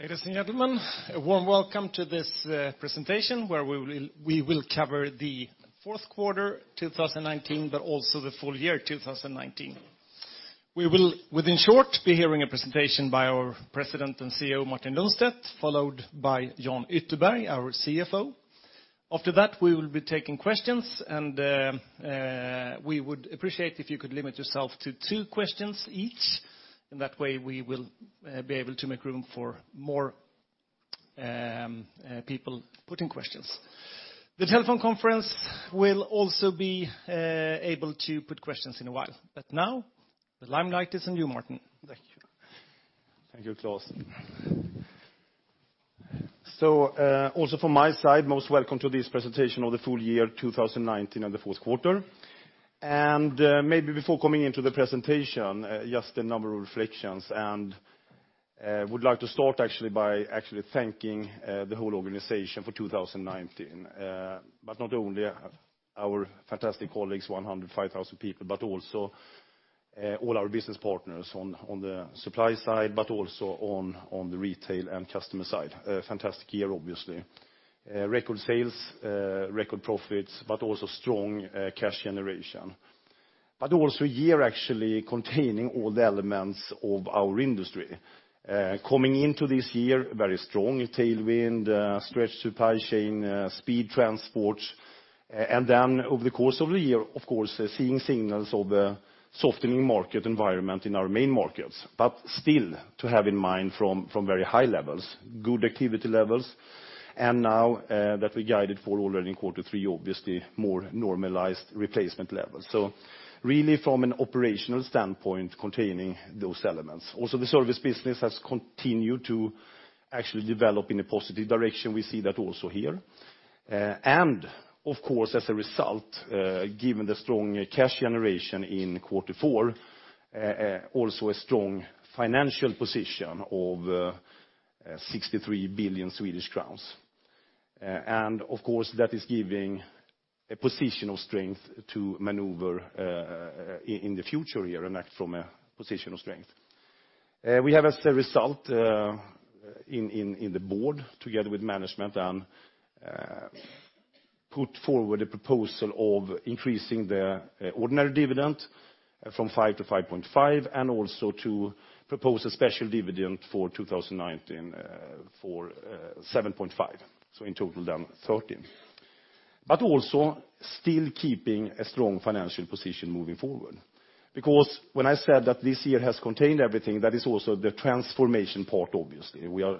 Ladies and gentlemen, a warm welcome to this presentation, where we will cover the fourth quarter 2019, also the full year of 2019. We will, in short, be hearing a presentation by our President and Chief Executive Officer, Martin Lundstedt, followed by Jan Ytterberg, our CFO. After that, we will be taking questions, we would appreciate it if you could limit yourself to two questions each. In that way, we will be able to make room for more people putting questions. The telephone conference will also be able to put questions in a while. Now, the limelight is on you, Martin. Thank you. Thank you, Claes. Also from my side, most welcome to this presentation of the full year 2019 and the fourth quarter. Maybe before coming into the presentation, just a number of reflections. I would like to start by actually thanking the whole organization for 2019. Not only our fantastic colleagues, 105,000 people, but also all our business partners on the supply side, but also on the retail and customer sides. A fantastic year, obviously. Record sales, record profits, but also strong cash generation. Also a year actually containing all the elements of our industry. Coming into this year, there was a very strong tailwind, stretched supply chains, and speedy transports, and then over the course of the year, of course, we saw signals of a softening market environment in our main markets. Still, to have in mind, from very high levels, good activity levels. Now that we are guided already in Q3, obviously more normalized replacement levels. Really from an operational standpoint, containing those elements. Also, the service business has continued to actually develop in a positive direction. We see that also here. Of course, as a result, given the strong cash generation in Q4, there is also a strong financial position of 63 billion Swedish crowns. Of course, that is giving a position of strength to maneuver in the future here and act from a position of strength. We have, as a result, on the board, together with management, put forward a proposal of increasing the ordinary dividend from 5 to 5.5, and also propose a special dividend for 2019 for 7.5. In total, 13. Also still keeping a strong financial position moving forward. When I said that this year has contained everything, that is also the transformation part, obviously. We are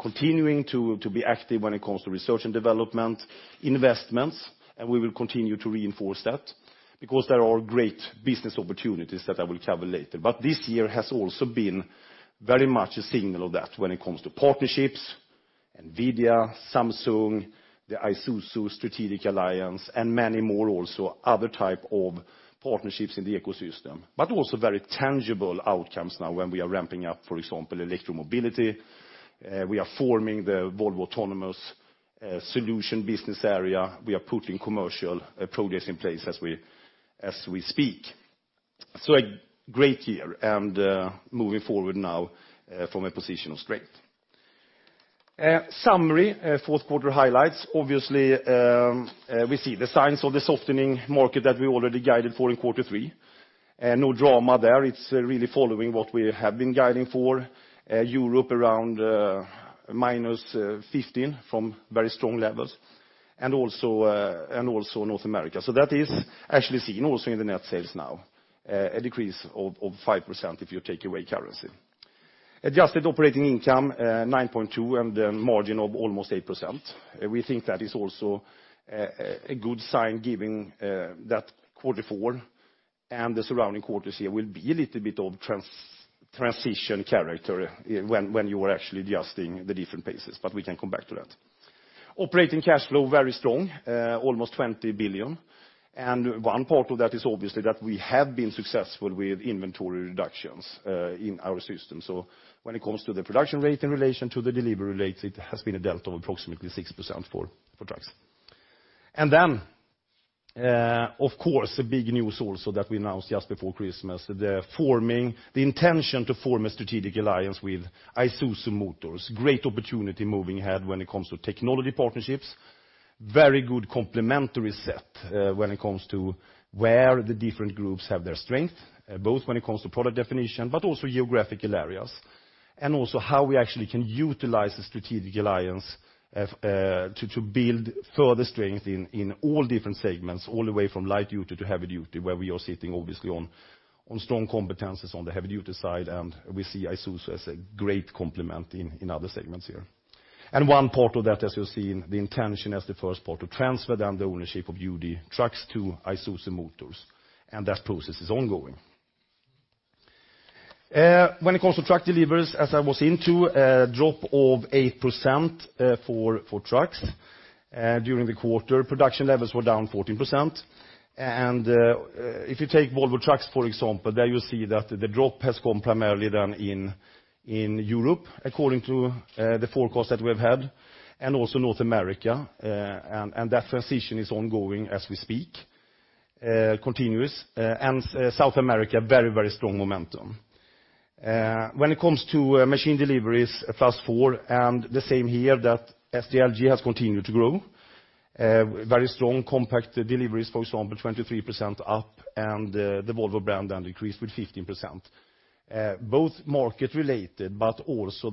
continuing to be active when it comes to research and development and investments, and we will continue to reinforce that because there are great business opportunities that I will cover later. This year has also been very much a signal of that when it comes to partnerships: Nvidia, Samsung, the Isuzu Strategic Alliance, and many more also have other types of partnerships in the ecosystem. Also, very tangible outcomes now when we are ramping up, for example, electromobility. We are forming the Volvo Autonomous Solutions business area. We are putting commercial projects in place as we speak. A great year, and moving forward now from a position of strength. Summary of fourth quarter highlights. Obviously, we see the signs of the softening market that we already guided for in Q3. No drama there. It's really following what we have been guiding for. Europe is around -15% from very strong levels, and also North America. That is actually seen also in the net sales now, a decrease of 5% if you take away currency. Adjusted operating income of 9.2 billion and a margin of almost 8%. We think that is also a good sign, given that Q4 and the surrounding quarters here will be a little bit of a transitional character when you are actually adjusting the different paces, but we can come back to that. Operating cash flow is very strong, almost 20 billion. One part of that is obviously that we have been successful with inventory reductions in our system. When it comes to the production rate in relation to the delivery rate, it has been a delta of approximately 6% for trucks. Then, of course, big news also that we announced just before Christmas: the intention to form a Strategic Alliance with Isuzu Motors. Great opportunity moving ahead when it comes to technology partnerships. Very good complementary set when it comes to where the different groups have their strength, both when it comes to product definition and geographical areas and also how we actually can utilize the Strategic Alliance to build further strength in all different segments, all the way from light duty to heavy duty, where we are sitting obviously on strong competencies on the heavy-duty side, and we see Isuzu as a great complement in other segments here. One part of that, as you'll see, is the intention as the first part to transfer the ownership of UD Trucks to Isuzu Motors, and that process is ongoing. When it comes to truck deliveries, as I was into, there was a drop of 8% for trucks during the quarter. Production levels were down 14%. If you take Volvo Trucks, for example, there you see that the drop has gone primarily in Europe, according to the forecast that we've had, and also in North America. That transition is ongoing as we speak continuously. South America has very strong momentum. When it comes to machine deliveries +4%, the same here is that SDLG has continued to grow. Very strong compact deliveries, for example, 23% up, and the Volvo brand then decreased by 15%. Both are market-related, but also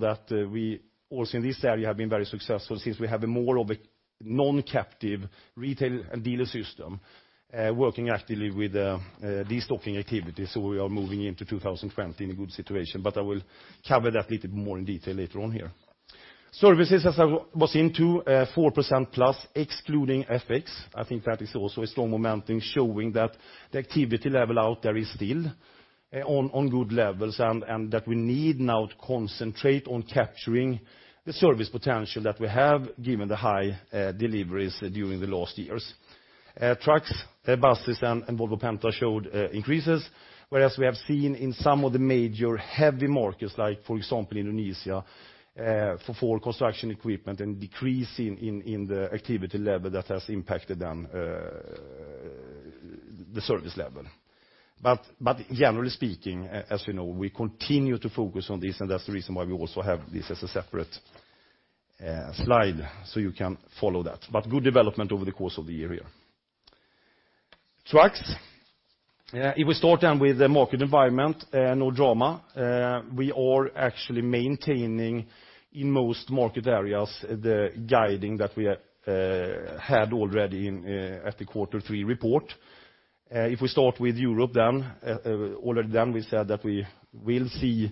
we also in this area have been very successful since we have more of a non-captive retail and dealer system working actively with de-stocking activities. We are moving into 2020 in a good situation, but I will cover that little more in detail later on here. Services, as I was into +4% excluding FX. I think that is also a strong momentum showing that the activity level out there is still at good levels and that we need now to concentrate on capturing the service potential that we have, given the high deliveries during the last years. Trucks, buses, and Volvo Penta showed increases. Whereas we have seen in some of the major heavy markets, like, for example, Indonesia, for Volvo Construction Equipment, a decrease in the activity level that has impacted the service level. Generally speaking, as you know, we continue to focus on this, and that's the reason why we also have this as a separate slide so you can follow that. Good development over the course of the year here. Trucks. If we start then with the market environment, there's no drama. We are actually maintaining, in most market areas, the guidance that we had already in the quarter three report. If we start with Europe, then already then we said that we will see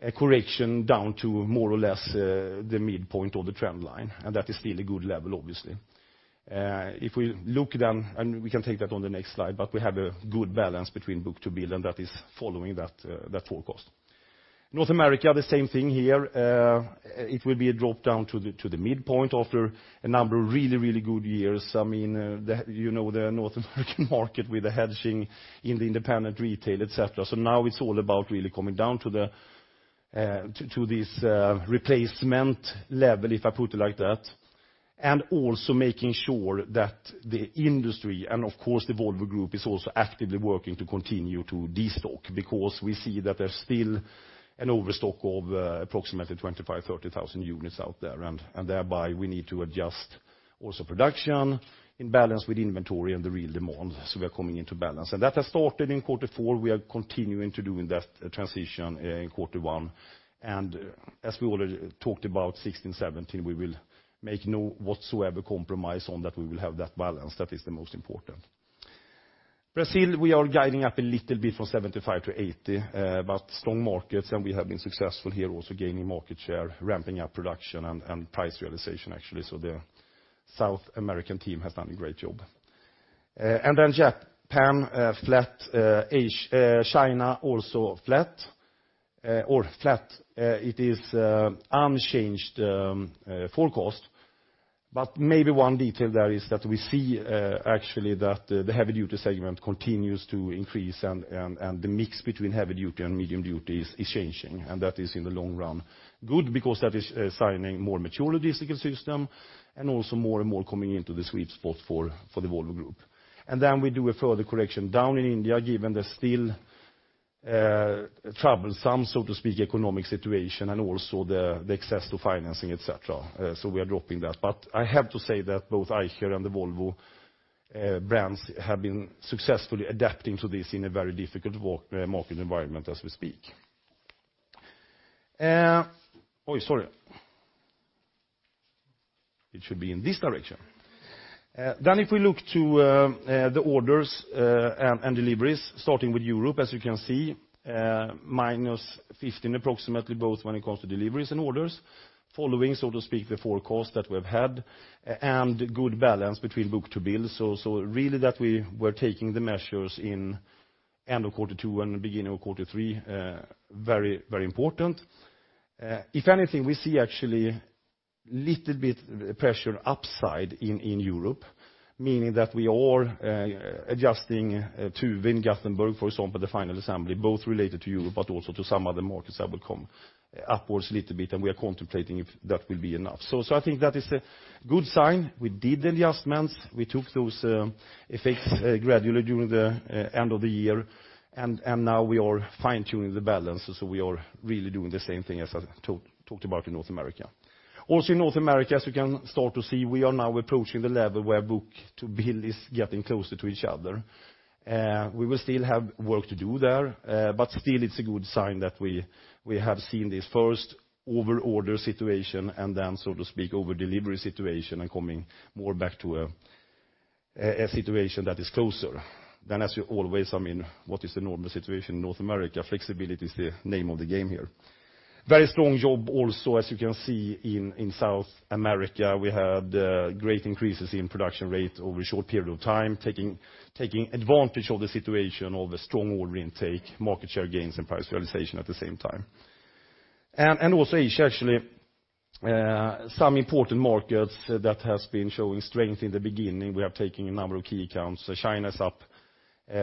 a correction down to more or less the midpoint of the trend line, and that is still a good level, obviously. If we look then, and we can take that on the next slide, we have a good balance between book-to-bill, and that is following that forecast. North America. The same thing here. It will be a drop down to the midpoint after a number of really good years. The North American market with the hedging in the independent retail, etc. Now it's all about really coming down to this replacement level, if I put it like that. Also making sure that the industry and, of course, the Volvo Group are also actively working to continue to de-stock, because we see that there's still an overstock of approximately 25,000, 30,000 units out there. Thereby, we need to also adjust production in balance with inventory and the real demand. We are coming into balance. That has started in quarter four. We are continuing to do that transition in quarter one. As we already talked about 2016, 2017, we will make no compromise whatsoever on that. We will have that balance. That is the most important. Brazil, we are guiding it up a little bit from 75 to 80. Strong markets, and we have been successful here also, gaining market share and ramping up production and price realization, actually. The South American team has done a great job. Japan, flat. China, also flat. Flat, it is an unchanged forecast. Maybe one detail there is that we see actually that the heavy-duty segment continues to increase and the mix between heavy-duty and medium-duty is changing. That is in the long run good because that is a more mature logistical system, and also more and more are coming into the sweet spot for the Volvo Group. We do a further correction down in India, given the still troublesome, so to speak, economic situation and also the access to financing, etc. We are dropping that. I have to say that both Eicher and the Volvo brands have been successfully adapting to this in a very difficult market environment as we speak. Sorry. It should be in this direction. If we look to the orders and deliveries, starting with Europe, as you can see, it's approximately -15 when it comes to both deliveries and orders. Following, so to speak, the forecast that we've had and a good balance between book-to-bill. Really, we were taking the measures at the end of quarter two and the beginning of quarter three, which is very important. If anything, we see actually a little bit of pressure upside in Europe, meaning that we are adjusting Tuve in Gothenburg, for example, the final assembly, both related to Europe and also to some other markets that will come upwards a little bit, and we are contemplating if that will be enough. I think that is a good sign. We did the adjustments. We took those effects gradually during the end of the year, and now we are fine-tuning the balance. We are really doing the same thing as I talked about in North America. Also in North America, as we can start to see, we are now approaching the level where book-to-bill is getting closer to each other. We will still have work to do there. Still, it's a good sign that we have seen this first over-order situation and then, so to speak, over-delivery situation and are coming more back to a situation that is closer. As always, what is the normal situation in North America? Flexibility is the name of the game here. Very strong job also, as you can see, in South America. We had great increases in production rate over a short period of time, taking advantage of the situation of a strong order intake, market share gains, and price realization at the same time. Also Asia, actually. Some important markets that have been showing strength in the beginning. We are taking a number of key accounts. China's up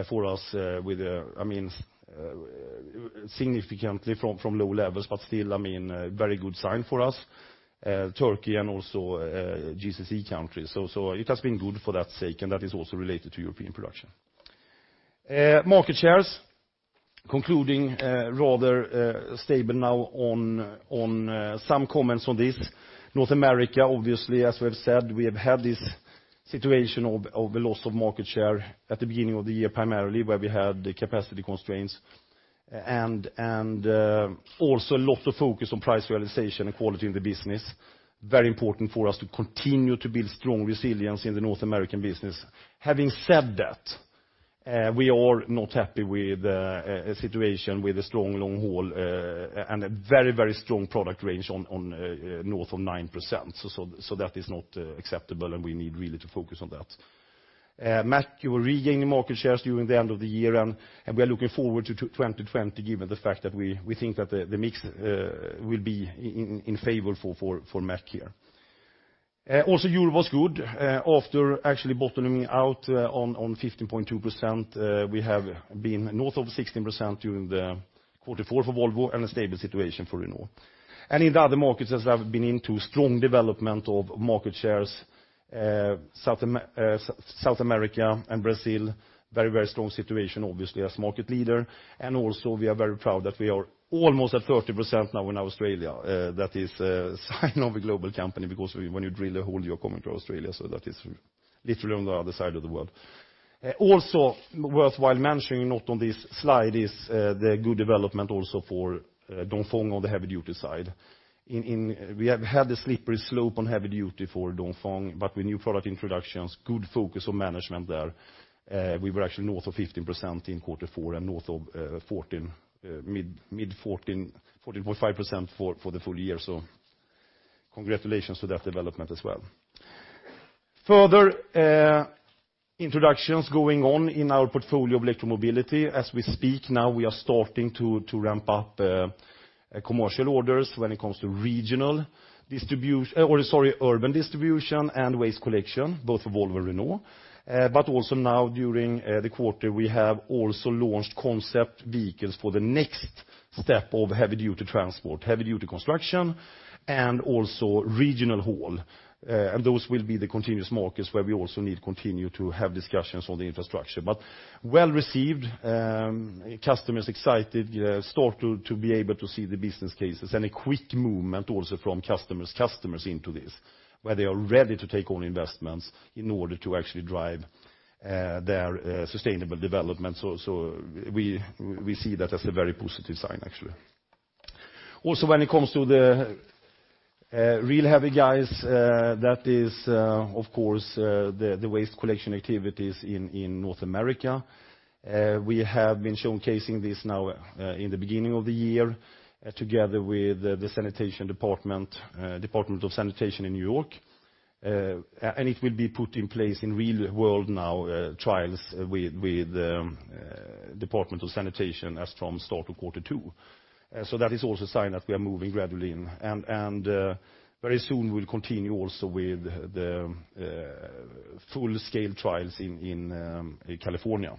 for us significantly from low levels, but it's still a very good sign for us. Turkey and also GCC countries. It has been good for that sake, and that is also related to European production. Market shares are concluding rather stable now on some comments on this. North America, obviously, as we have said, we have had this situation of a loss of market share at the beginning of the year, primarily where we had the capacity constraints and also a lot of focus on price realization and quality in the business. Very important for us to continue to build strong resilience in the North American business. We are not happy with a situation with a strong long haul and a very strong product range on north of 9%. That is not acceptable, and we really need to focus on that. Mack, we're regaining market shares during the end of the year, and we are looking forward to 2020, given the fact that we think that the mix will be in favor of Mack here. Europe was good after actually bottoming out on 15.2%. We have been north of 16% during the fourth quarter for Volvo and a stable situation for Renault. In the other markets, as I've been into strong development of market shares, South America and Brazil are very strong situations, obviously as market leaders, and also we are very proud that we are almost at 30% now in Australia. That is a sign of a global company because when you drill a hole, you're coming to Australia, so that is literally on the other side of the world. Also worthwhile mentioning, not on this slide, is the good development also for Dongfeng on the heavy-duty side. We have had a slippery slope on heavy-duty for Dongfeng, but with new product introductions and a good focus on management there, we were actually north of 15% in quarter four and north of mid-14.5% for the full year. Congratulations on that development as well. Further introductions are going on in our portfolio of electro-mobility. As we speak now, we are starting to ramp up commercial orders when it comes to urban distribution and waste collection for both Volvo and Renault. Also now during the quarter, we have also launched concept vehicles for the next step of heavy-duty transport, heavy-duty construction, and also regional haul. Those will be the continuous markets where we also need to continue to have discussions on the infrastructure. Well-received, customers are excited, and they are starting to be able to see the business cases, and there is also a quick movement from customers into this, where they are ready to take on investments in order to actually drive their sustainable development. We see that as a very positive sign actually. Also, when it comes to the real heavy guys, that is, of course, the waste collection activities in North America. We have been showcasing this now in the beginning of the year together with the New York City Department of Sanitation in N.Y. It will be put in place in the real world now, with trials with the New York City Department of Sanitation as of the start of quarter two. That is also a sign that we are moving gradually, and very soon we'll continue also with the full-scale trials in California.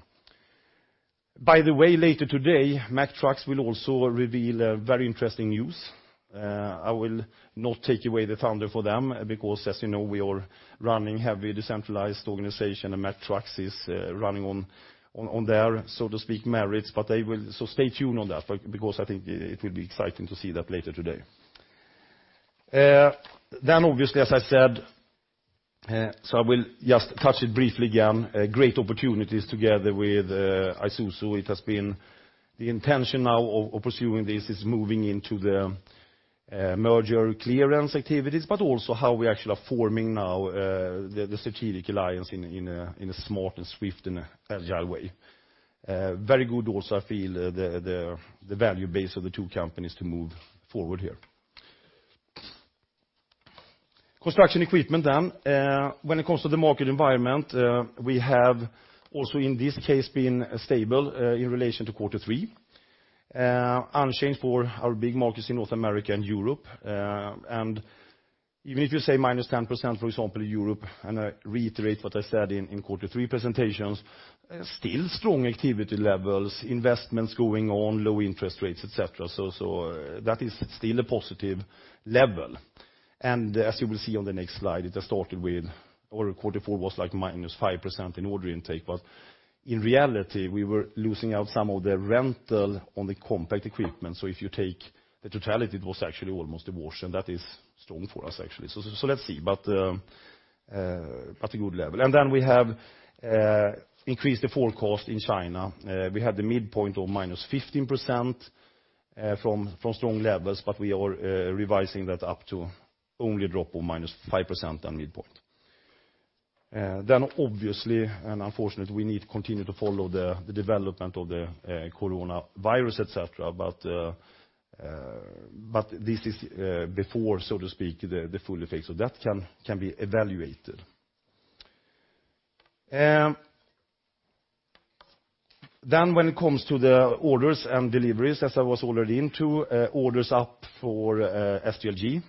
By the way, later today, Mack Trucks will also reveal very interesting news. I will not take away the thunder for them because, as you know, we are running a heavily decentralized organization, and Mack Trucks is running on their, so to speak, merits. Stay tuned for that because I think it will be exciting to see that later today. Obviously, as I said, so I will just touch on it briefly again: great opportunities together with Isuzu. It has been the intention now of pursuing this, moving into the merger clearance activities, but also how we are actually forming now the strategic alliance in a smart and swift and agile way. Very good. also, I feel the value base of the two companies moving forward here. Construction equipment, then. When it comes to the market environment, we have also in this case been stable in relation to quarter three. Unchanged for our big markets in North America and Europe. Even if you say -10%, for example, in Europe, I reiterate what I said in quarter three presentations: still strong activity levels, investments going on, low interest rates, etc. That is still a positive level. As you will see on the next slide, it has started with order quarter four was like -5% in order intake, but in reality, we were losing out on some of the rental on the compact equipment. If you take the totality, it was actually almost a wash, that is strong for us, actually. Let's see. At a good level. We have increased the forecast in China. We have the midpoint of -15% from strong levels, we are revising that up to only a drop of -5% on the midpoint. Obviously, unfortunately, we need to continue to follow the development of the coronavirus, et cetera, this is before, so to speak, the full effect. That can be evaluated. When it comes to the orders and deliveries, as I was already into, orders are up for SDLG, with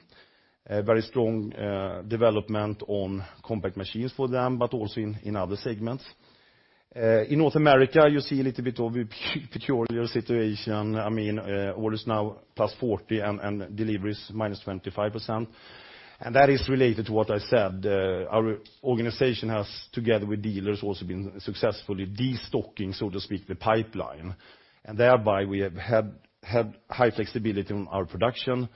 very strong development on compact machines for them but also in other segments. In North America, you see a little bit of a peculiar situation. Orders are now +40 and deliveries are -25%. That is related to what I said. Our organization has, together with dealers, also been successfully de-stocking, so to speak, the pipeline. Thereby, we have had high flexibility on our production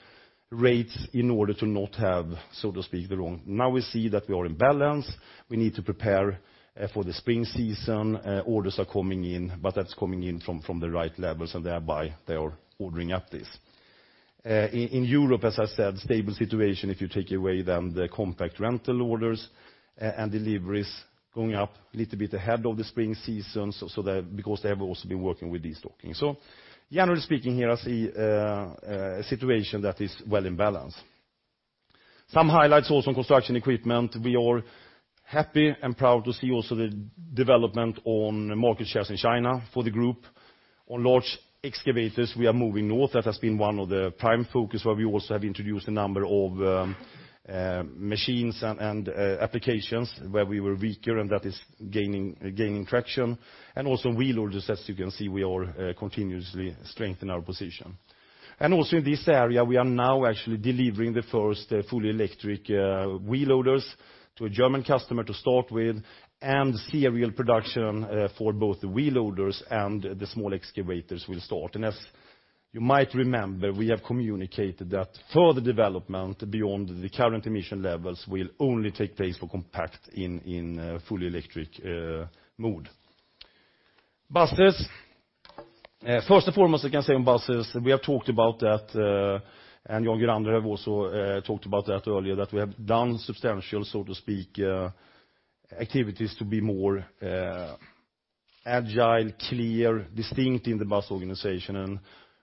rates in order to not have, so to speak, the wrong one. Now we see that we are in balance. We need to prepare for the spring season. Orders are coming in, but that's coming in from the right levels, and thereby, they are ordering this up. In Europe, as I said, it's a stable situation, if you take away the compact rental orders and deliveries going up a little bit ahead of the spring season, it's because they have also been working with de-stocking. Generally speaking here, I see a situation that is well in balance. Some highlights are also on construction equipment. We are happy and proud to see also the development of market shares in China for the group. On large excavators, we are moving north. That has been one of the prime focuses, where we also have introduced a number of machines and applications where we were weaker, and that is gaining traction. Also, wheel loaders, as you can see, are continuously strengthening our position. Also in this area, we are now actually delivering the first fully electric wheel loaders to a German customer to start with, and serial production for both the wheel loaders and the small excavators will start. As you might remember, we have communicated that further development beyond the current emission levels will only take place for the compact in fully electric mode. Buses. First and foremost, I can say on buses, we have talked about that, and Jan has also talked about that earlier: we have done substantial, so to speak, activities to be more agile, clear, and distinct in the bus organization.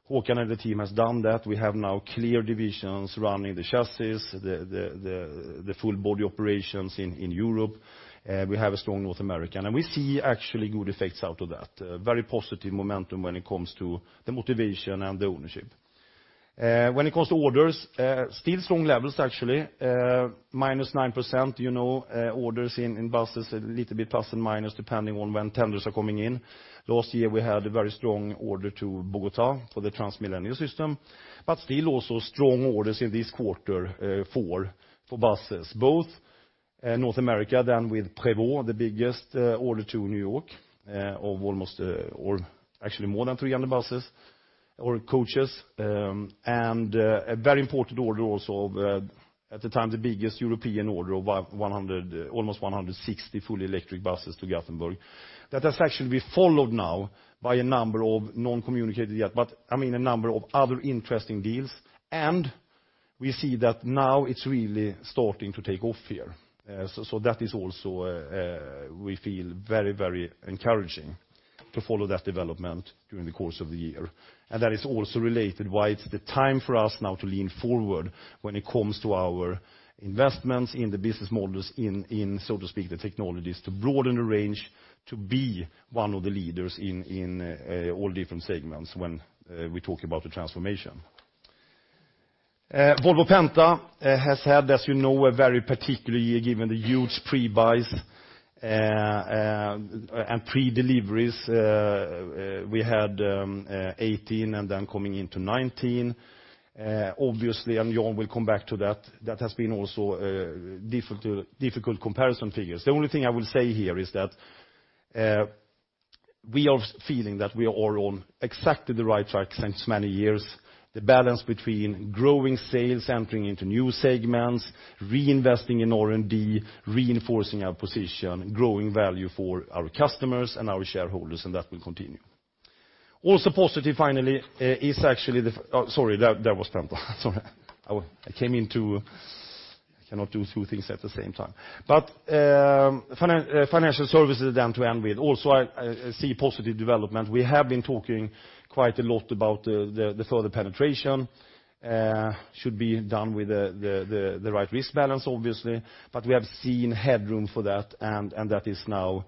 Håkan and the team have done that. We now have clear divisions running the chassis, the full-body operations in Europe. We have a strong North America. We see actually good effects out of that. Very positive momentum when it comes to the motivation and the ownership. When it comes to orders, there are still strong levels, actually, at -9%. You know orders on buses are a little bit pluses and minuses depending on when tenders are coming in. Last year, we had a very strong order to Bogotá for the TransMilenio system. Still also strong orders in this quarter four for buses, both in North America and with Prevost, the biggest order to New York of almost or actually more than 300 buses or coaches. A very important order also of, at the time, the biggest European order of almost 160 fully electric buses for Gothenburg. That has actually been followed now by a number of non-communicated ones and a number of other interesting deals, and we see that now it's really starting to take off here. That is also why we feel very encouraged to follow that development during the course of the year. That is also related to why it's the time for us now to lean forward when it comes to our investments in the business models in, so to speak, the technologies to broaden the range to be one of the leaders in all different segments when we talk about the transformation. Volvo Penta has had, as you know, a very particular year, given the huge pre-buys and pre-deliveries. We had 2018 and then came into 2019. Obviously, Jan will come back to that, which has also been a difficult comparison. The only thing I will say here is that we have been feeling that we are on exactly the right track for many years. The balance between growing sales, entering into new segments, reinvesting in R&D, reinforcing our position, and growing value for our customers and our shareholders will continue. Also positive, finally, is actually that was Penta. Sorry. I came; I cannot do two things at the same time. Financial Services then to end with. Also, I see positive development. We have been talking quite a lot about the further penetration. Should be done with the right risk balance, obviously, but we have seen headroom for that, and that is now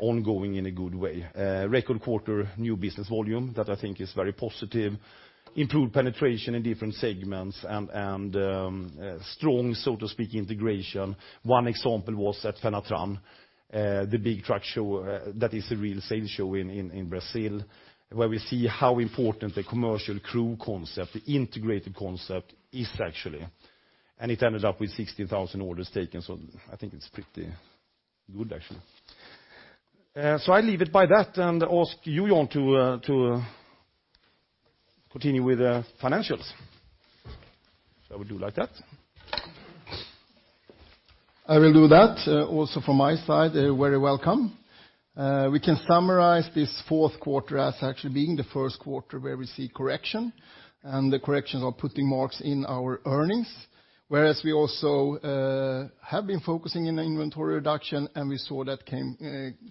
ongoing in a good way. Record quarter new business volume, which I think is very positive. Improved penetration in different segments and strong, so to speak, integration. One example was at Fenatran, the big truck show that is a real sales show in Brazil, where we see how important the commercial crew concept, the integrated concept, actually is. It ended up with 16,000 orders taken, so I think it's pretty good, actually. I leave it by that and ask you, Jan, to continue with the financials. I would do like that. I will do that. Also from my side, very welcome. We can summarize this fourth quarter as actually being the first quarter where we see correction, and the corrections are putting marks in our earnings. We also have been focusing on inventory reduction, and we saw that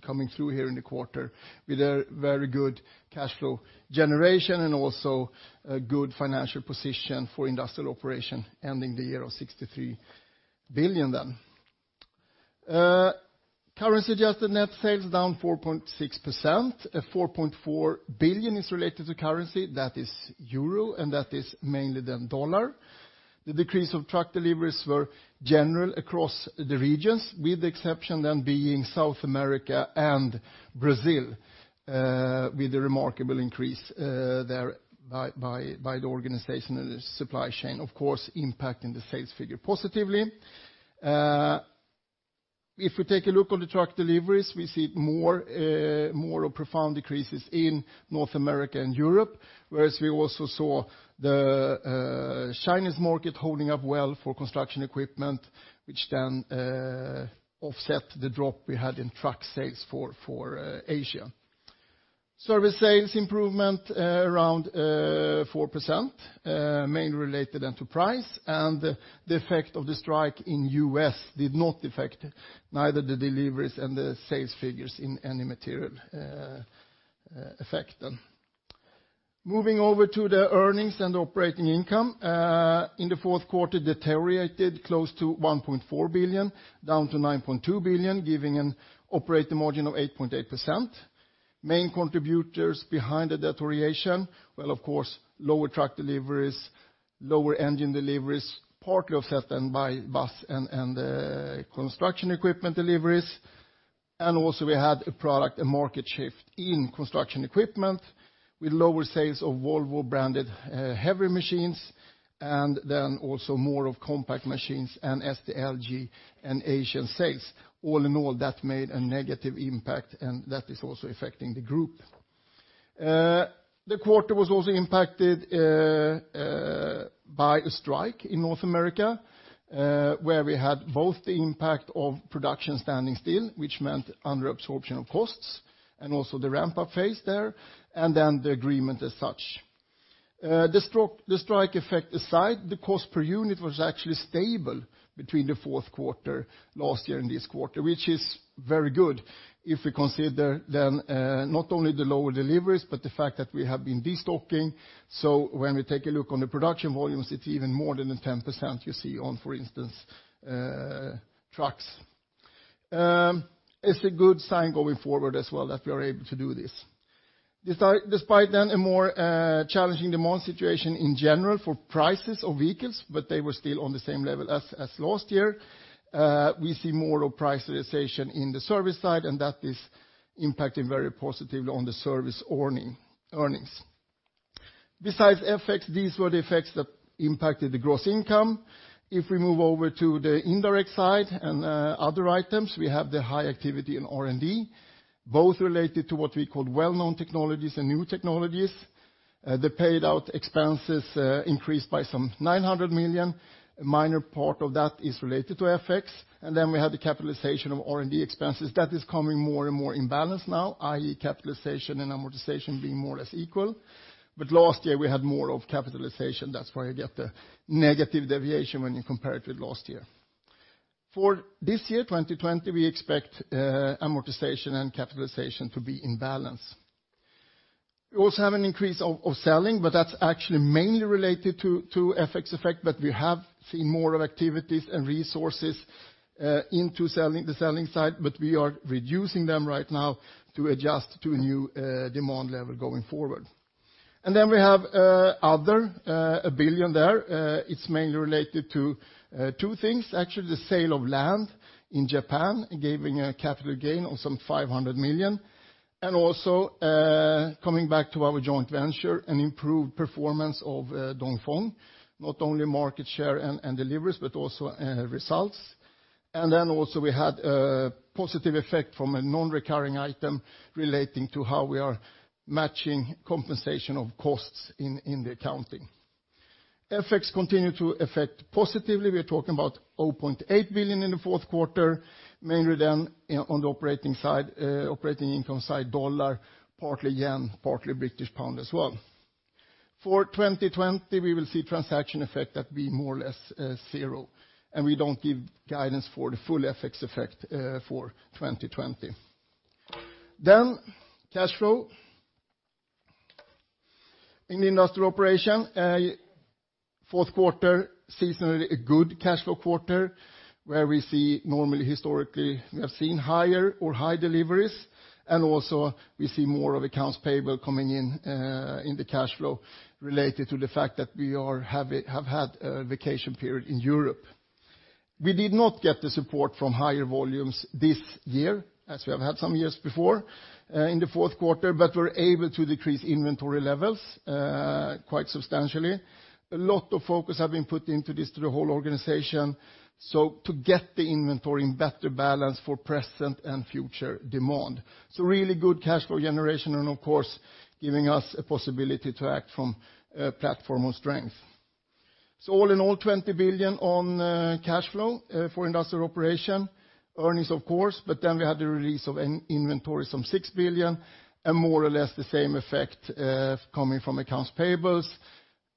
coming through here in the quarter with a very good cash flow generation and also a good financial position for industrial operation, ending the year at 63 billion. Currency-adjusted net sales down 4.6%. 4.4 billion is related to currency, that is, euro, and that is mainly the dollar. The decrease of truck deliveries was general across the regions, with the exception then being South America and Brazil, with a remarkable increase there by the organization, and the supply chain, of course, impacting the sales figure positively. If we take a look at the truck deliveries, we see more profound decreases in North America and Europe, whereas we also saw the Chinese market holding up well for construction equipment, which then offset the drop we had in truck sales for Asia. Service sales improvement is around 4%, mainly related to price, and the effect of the strike in the U.S. did not affect either the deliveries or the sales figures in any material way. Moving over to the earnings and operating income. In the fourth quarter, it deteriorated close to 1.4 billion, down to 9.2 billion, giving an operating margin of 8.8%. Main contributors behind the deterioration are, well, of course, lower truck deliveries and lower engine deliveries, partly offset then by bus and construction equipment deliveries. Also, we had a product, a market shift in construction equipment, with lower sales of Volvo-branded heavy machines and then also more compact machines and SDLG and Asian sales. All in all, that made a negative impact, and that is also affecting the group. The quarter was also impacted by a strike in North America, where we had both the impact of production standing still, which meant underabsorption of costs, and also the ramp-up phase there and then the agreement as such. The strike effect aside, the cost per unit was actually stable between the fourth quarter last year and this quarter, which is very good if we consider not only the lower deliveries but also the fact that we have been destocking. When we take a look at the production volumes, it's even more than the 10% you see on, for instance, trucks. It's a good sign going forward as well that we are able to do this. Despite a more challenging demand situation in general for prices of vehicles, they were still on the same level as last year, we see more price realization on the service side, which is impacting the service earnings very positively. Besides FX, these were the effects that impacted the gross income. If we move over to the indirect side and other items, we have the high activity in R&D, both related to what we call well-known technologies and new technologies. The paid expenses increased by some 900 million. A minor part of that is related to FX. We have the capitalization of R&D expenses. That is coming more and more in balance now, i.e., capitalization and amortization being more or less equal. Last year, we had more capitalization. That's why you get the negative deviation when you compare it with last year. For this year, 2020, we expect amortization and capitalization to be in balance. We also have an increase of sales, but that's actually mainly related to the FX effect, and we have seen more activities and resources going into the selling side, but we are reducing them right now to adjust to a new demand level going forward. We have another 1 billion there. It's mainly related to two things. Actually, the sale of land in Japan gives a capital gain of some 500 million. Coming back to our joint venture and improved performance of Dongfeng, not only market share and deliveries but also results. Also, we had a positive effect from a non-recurring item relating to how we are matching compensation of costs in the accounting. FX continues to affect positively. We are talking about 0.8 billion in the fourth quarter, mainly on the operating income side in dollars, partly yen, and partly pounds as well. For 2020, we will see a transaction effect that is more or less zero. We do not give guidance for the full FX effect for 2020. Cash flow. In the industrial operation, the fourth quarter is seasonally a good cash flow quarter, where we normally historically have seen higher or high deliveries. Also, we see more of accounts payable coming in the cash flow related to the fact that we have had a vacation period in Europe. We did not get the support from higher volumes this year, as we have had some years before in the fourth quarter. We're able to decrease inventory levels quite substantially. A lot of focus has been put into this through the whole organization. To get the inventory in better balance for present and future demand. Really good cash flow generation and, of course, giving us a possibility to act from a platform of strength. All in all, 20 billion in cash flow for industrial operations and earnings, of course. We had the release of inventories of 6 billion and more or less the same effect coming from accounts payable.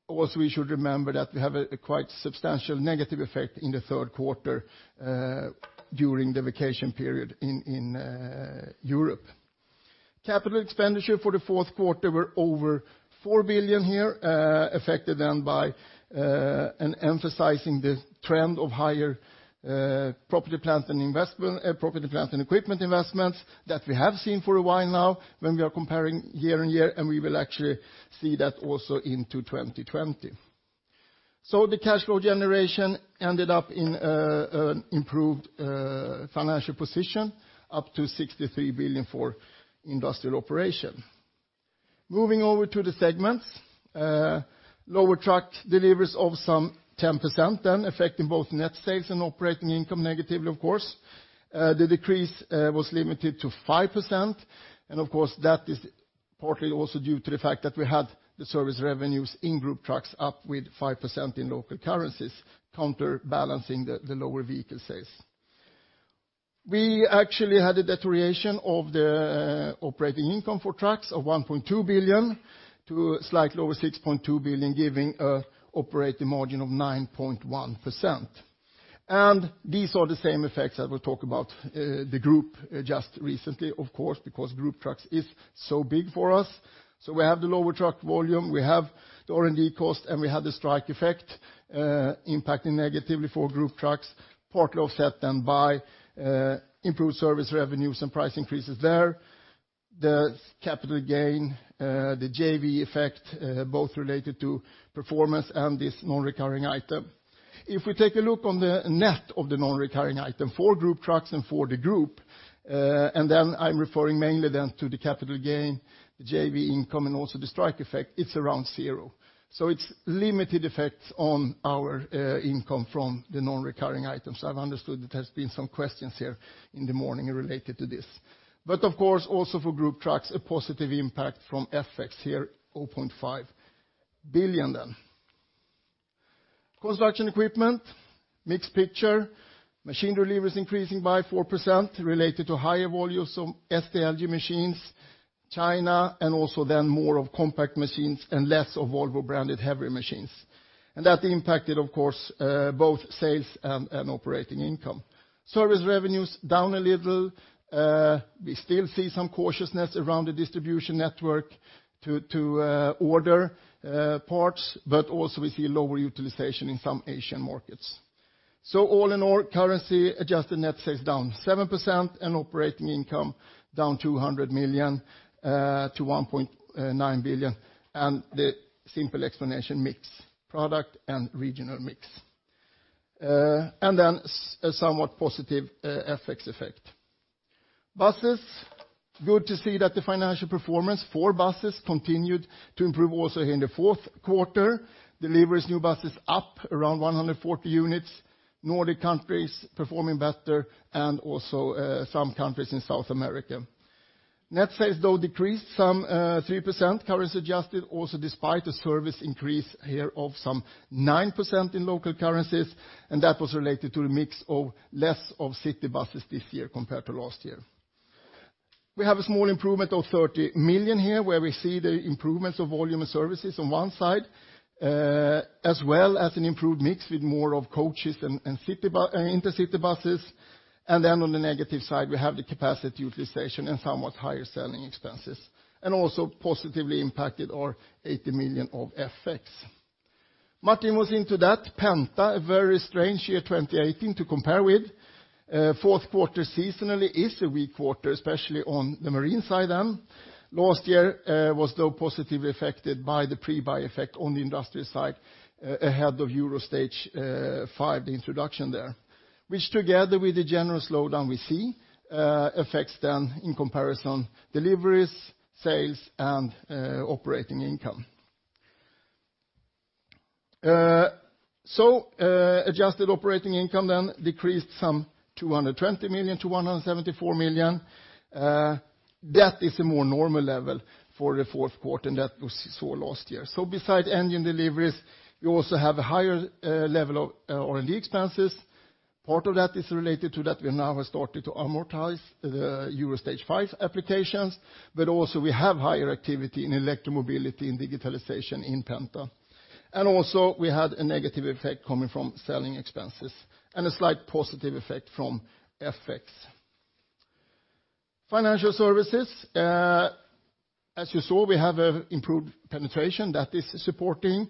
Also, we should remember that we have a quite substantial negative effect in the third quarter during the vacation period in Europe. Capital expenditure for the fourth quarter was over 4 billion here, affected then by an emphasis on the trend of higher property, plant, and equipment investments that we have seen for a while now when we are comparing year-on-year, and we will actually see that also into 2020. The cash flow generation ended up in an improved financial position, up to 63 billion for industrial operations. Moving over to the segments. Lower truck deliveries of some 10% are affecting both net sales and operating income negatively, of course. The decrease was limited to 5%, Of course, that is partly also due to the fact that we had the service revenues in Group Trucks up with 5% in local currencies, counterbalancing the lower vehicle sales. We actually had a deterioration of the operating income for Volvo Trucks from 1.2 billion to slightly over 6.2 billion, giving an operating margin of 9.1%. These are the same effects that we'll talk about with the group just recently, of course, because Group Trucks is so big for us. We have the lower truck volume, we have the R&D cost, and we have the strike effect, impacting negatively for Group Trucks, partly offset then by improved service revenues and price increases there. The capital gain and the JV effect are both related to performance and this non-recurring item. If we take a look on the net at the non-recurring item for Group Trucks and for the group, and then I'm referring mainly then to the capital gain, the JV income, and also the strike effect, it's around zero. It's limited in its effects on our income from the non-recurring items. I've understood that there have been some questions here in the morning related to this. Of course, also for Group Trucks, a positive impact from FX here is 0.5 billion. Construction Equipment, mixed picture. Machine deliveries are increasing by 4% related to higher volumes of SDLG machines from China, more compact machines, and fewer Volvo-branded heavy machines. That impacted, of course, both sales and operating income. Service revenues down a little. We still see some cautiousness around the distribution network to order parts; also, we see lower utilization in some Asian markets. All in all, currency-adjusted net sales are down 7% and operating income is down 200 million to 1.9 billion. The simple explanation is mix. Product and regional mix. A somewhat positive FX effect. Buses, it's good to see that the financial performance for Buses continued to improve also here in the fourth quarter. Deliveries of new buses are up around 140 units. Nordic countries are performing better, and also some countries in South America. Net sales, though, decreased 3%, currency adjusted, also despite a service increase here of 9% in local currencies. That was related to the mix of less of city buses this year compared to last year. We have a small improvement of 30 million here, where we see the improvements of volume and services on one side, as well as an improved mix with more coaches and intercity buses. On the negative side, we have the capacity utilization and somewhat higher selling expenses. Also positively impacted our 80 million of FX. Martin was into that. Penta, a very strange year 2018 to compare with. Fourth quarter seasonally is a weak quarter, especially on the marine side then. Last year was, though, positively affected by the pre-buy effect on the industrial side ahead of Euro Stage V, the introduction of which, together with the general slowdown we see, affects, then, in comparison, deliveries, sales, and operating income. Adjusted operating income then decreased some 220 million to 174 million. That is a more normal level for the fourth quarter than that we saw last year. Besides engine deliveries, we also have a higher level of R&D expenses. Part of that is related to the fact that we now have started to amortize the Euro Stage V applications, but also we have higher activity in electromobility and digitalization in Penta. Also we had a negative effect coming from selling expenses and a slight positive effect from FX. Financial Services, as you saw, we have improved penetration that is supporting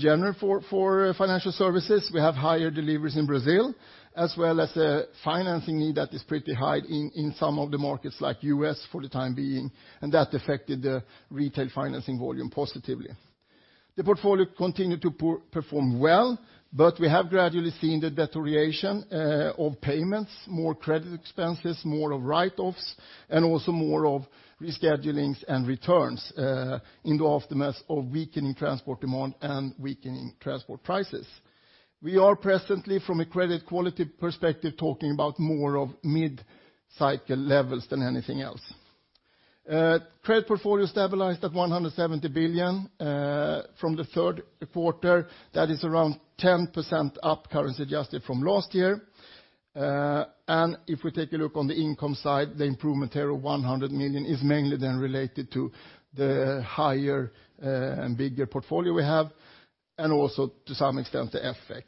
general for Financial Services. We have higher deliveries in Brazil, as well as a financing need that is pretty high in some of the markets, like the U.S. for the time being. That affected the retail financing volume positively. The portfolio continued to perform well, but we have gradually seen the deterioration of payments, more credit expenses, more write-offs, and also more scheduling and returns in the aftermath of weakening transport demand and weakening transport prices. We are presently, from a credit quality perspective, talking about more mid-cycle levels than anything else. Credit portfolio stabilized at 170 billion from the third quarter. That is around 10% up currency-adjusted from last year. If we take a look on the income side, the improvement here of 100 million is mainly then related to the higher and bigger portfolio we have and also, to some extent, the FX.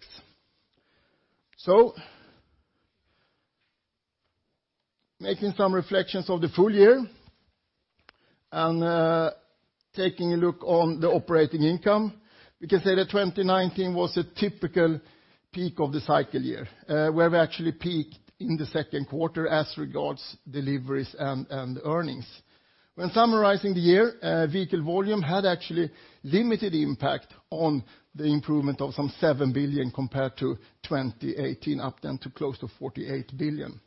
Making some reflections of the full year and taking a look at the operating income, we can say that 2019 was a typical peak of the cycle year, where we actually peaked in the second quarter as regards deliveries and earnings. When summarizing the year, vehicle volume had actually limited impact on the improvement of some 7 billion compared to 2018 up then to close to 48 billion.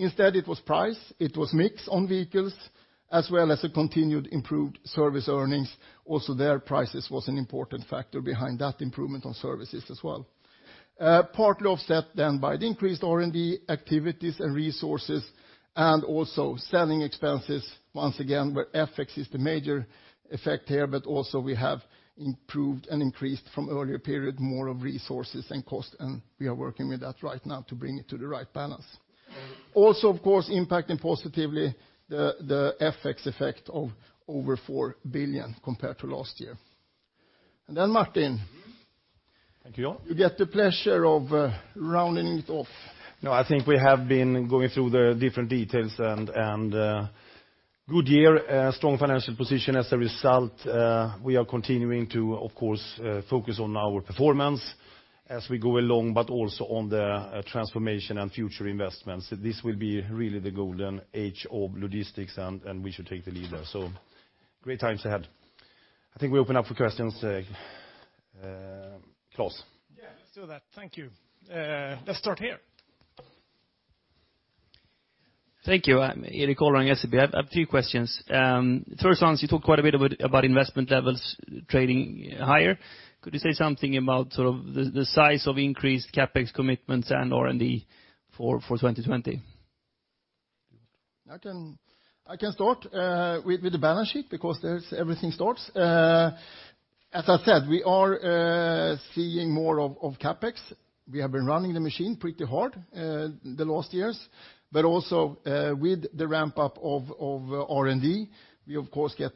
Instead, it was price, it was a mix on vehicles, as well as continued improved service earnings. Also, their prices were an important factor behind that improvement on services as well. Partly offset then by the increased R&D activities and resources and also selling expenses, once again, where FX is the major effect here, but also we have improved and increased from the earlier period more of the resources and cost, and we are working with that right now to bring it to the right balance. Also, of course, impacting positively the FX effect of over 4 billion compared to last year. Then Martin. Thank you. You get the pleasure of rounding it off. I think we have been going through the different details and had a good year, strong financial position as a result. We are continuing to, of course, focus on our performance as we go along but also on the transformation and future investments. This will be really the golden age of logistics, and we should take the lead there. Great times ahead. I think we open up for questions. Claes? Yeah. Let's do that. Thank you. Let's start here. Thank you. I'm Erik Golrang, SEB. I have two questions. First one is you talked quite a bit about investment levels trading higher. Could you say something about the size of increased CapEx commitments and R&D for 2020? I can start with the balance sheet because there everything starts. As I said, we are seeing more of CapEx. We have been running the machine pretty hard the last years, but also with the ramp-up of R&D, we of course get,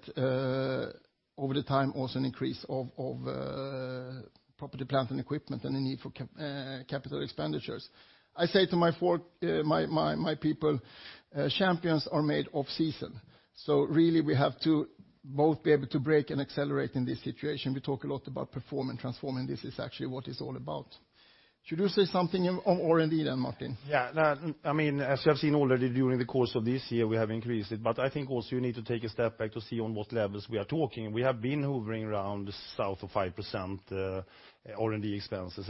over time, also an increase of property, plant, and equipment and a need for capital expenditures. I say to my people, Champions are made off-season. Really, we have to both be able to break and accelerate in this situation. We talk a lot about performance and transforming, this is actually what it's all about. Should you say something on R&D then, Martin? Yeah. As you have seen already during the course of this year, we have increased it. I think, also, you need to take a step back to see at what levels we are talking. We have been hovering around south of 5% R&D expenses.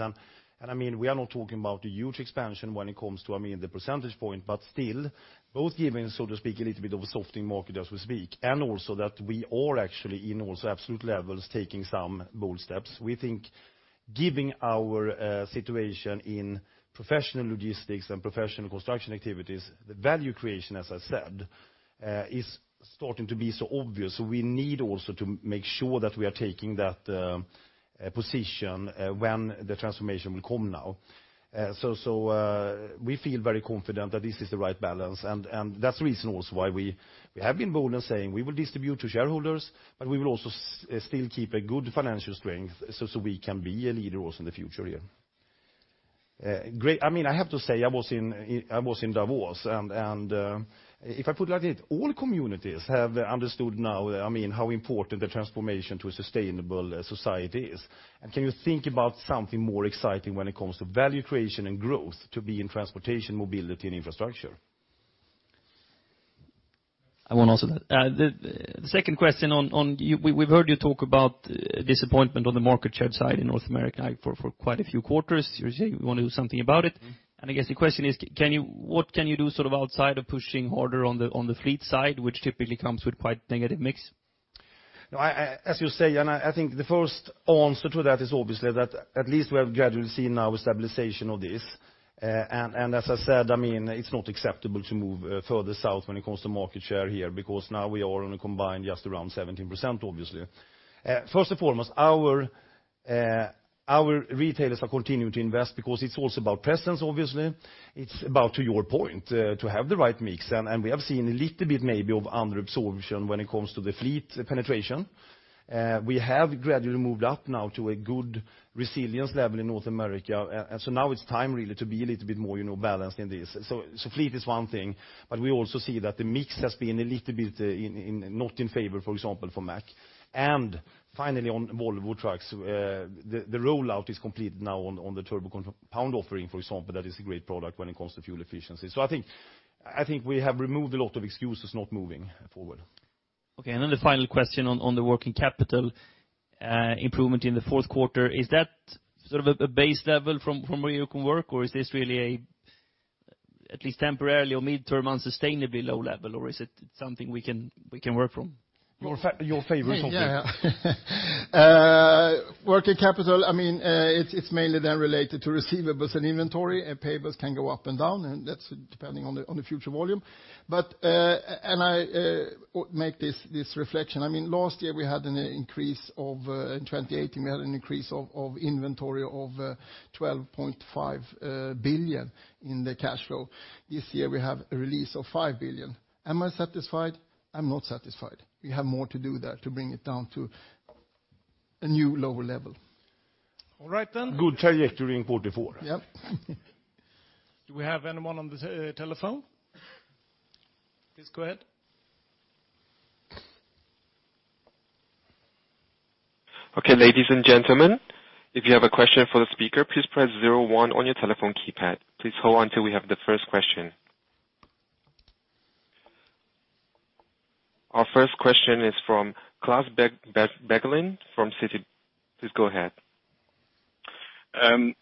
We are not talking about a huge expansion when it comes to the percentage point, but still, both are given, so to speak, a little bit of a softening market as we speak, and also we are actually also in absolute levels, taking some bold steps. We think, given our situation in professional logistics and professional construction activities, the value creation, as I said, is starting to be so obvious. We also need to make sure that we are taking that position when the transformation will come now. We feel very confident that this is the right balance, and that's the reason also why we have been bold in saying we will distribute to shareholders, but we will also still keep good financial strength so we can be a leader also in the future here. I have to say, I was in Davos, and if I put it like it, all communities have understood now how important the transformation to a sustainable society is. Can you think about something more exciting when it comes to value creation and growth to be in transportation, mobility, and infrastructure? [inaudible] We've heard you talk about disappointment on the market share side in North America now for quite a few quarters. You say you want to do something about it. I guess the question is, what can you do outside of pushing harder on the fleet side, which typically comes with quite a negative mix? No, as you say. I think the first answer to that is obviously that at least we have gradually seen now a stabilization of this. As I said, it's not acceptable to move further south when it comes to market share here because now we are combined for just around 17%, obviously. First and foremost, our retailers are continuing to invest because it's also about presence, obviously. It's about, to your point, having the right mix, and we have seen a little bit, maybe, of under-absorption when it comes to the fleet penetration. We have gradually moved up now to a good resilience level in North America. Now it's time really to be a little bit more balanced in this. Fleet is one thing, but we also see that the mix has been a little bit not in favor, for example, for Mack. Finally, on Volvo Trucks, the rollout is completed now on the Turbo Compound offering, for example. That is a great product when it comes to fuel efficiency. I think we have removed a lot of excuses for not moving forward. Okay, the final question on the working capital improvement in the fourth quarter is that a base level from where you can work, or is this really a, at least temporarily or midterm, unsustainably low level, or is it something we can work from? Your favorite topic. Working capital is mainly then related to receivables and inventory, and payables can go up and down, depending on the future volume. I make this reflection. Last year, In 2018, we had an increase of inventory of 12.5 billion in the cash flow. This year, we have a release of 5 billion. Am I satisfied? I'm not satisfied. We have more to do there to bring it down to a new lower level. All right, then. Good trajectory in Q4. Yep. Do we have anyone on the telephone? Please go ahead. Okay, ladies and gentlemen, if you have a question for the speaker, please press zero one on your telephone keypad. Please hold on till we have the first question. Our first question is from Klas Bergelind from Citi. Please go ahead.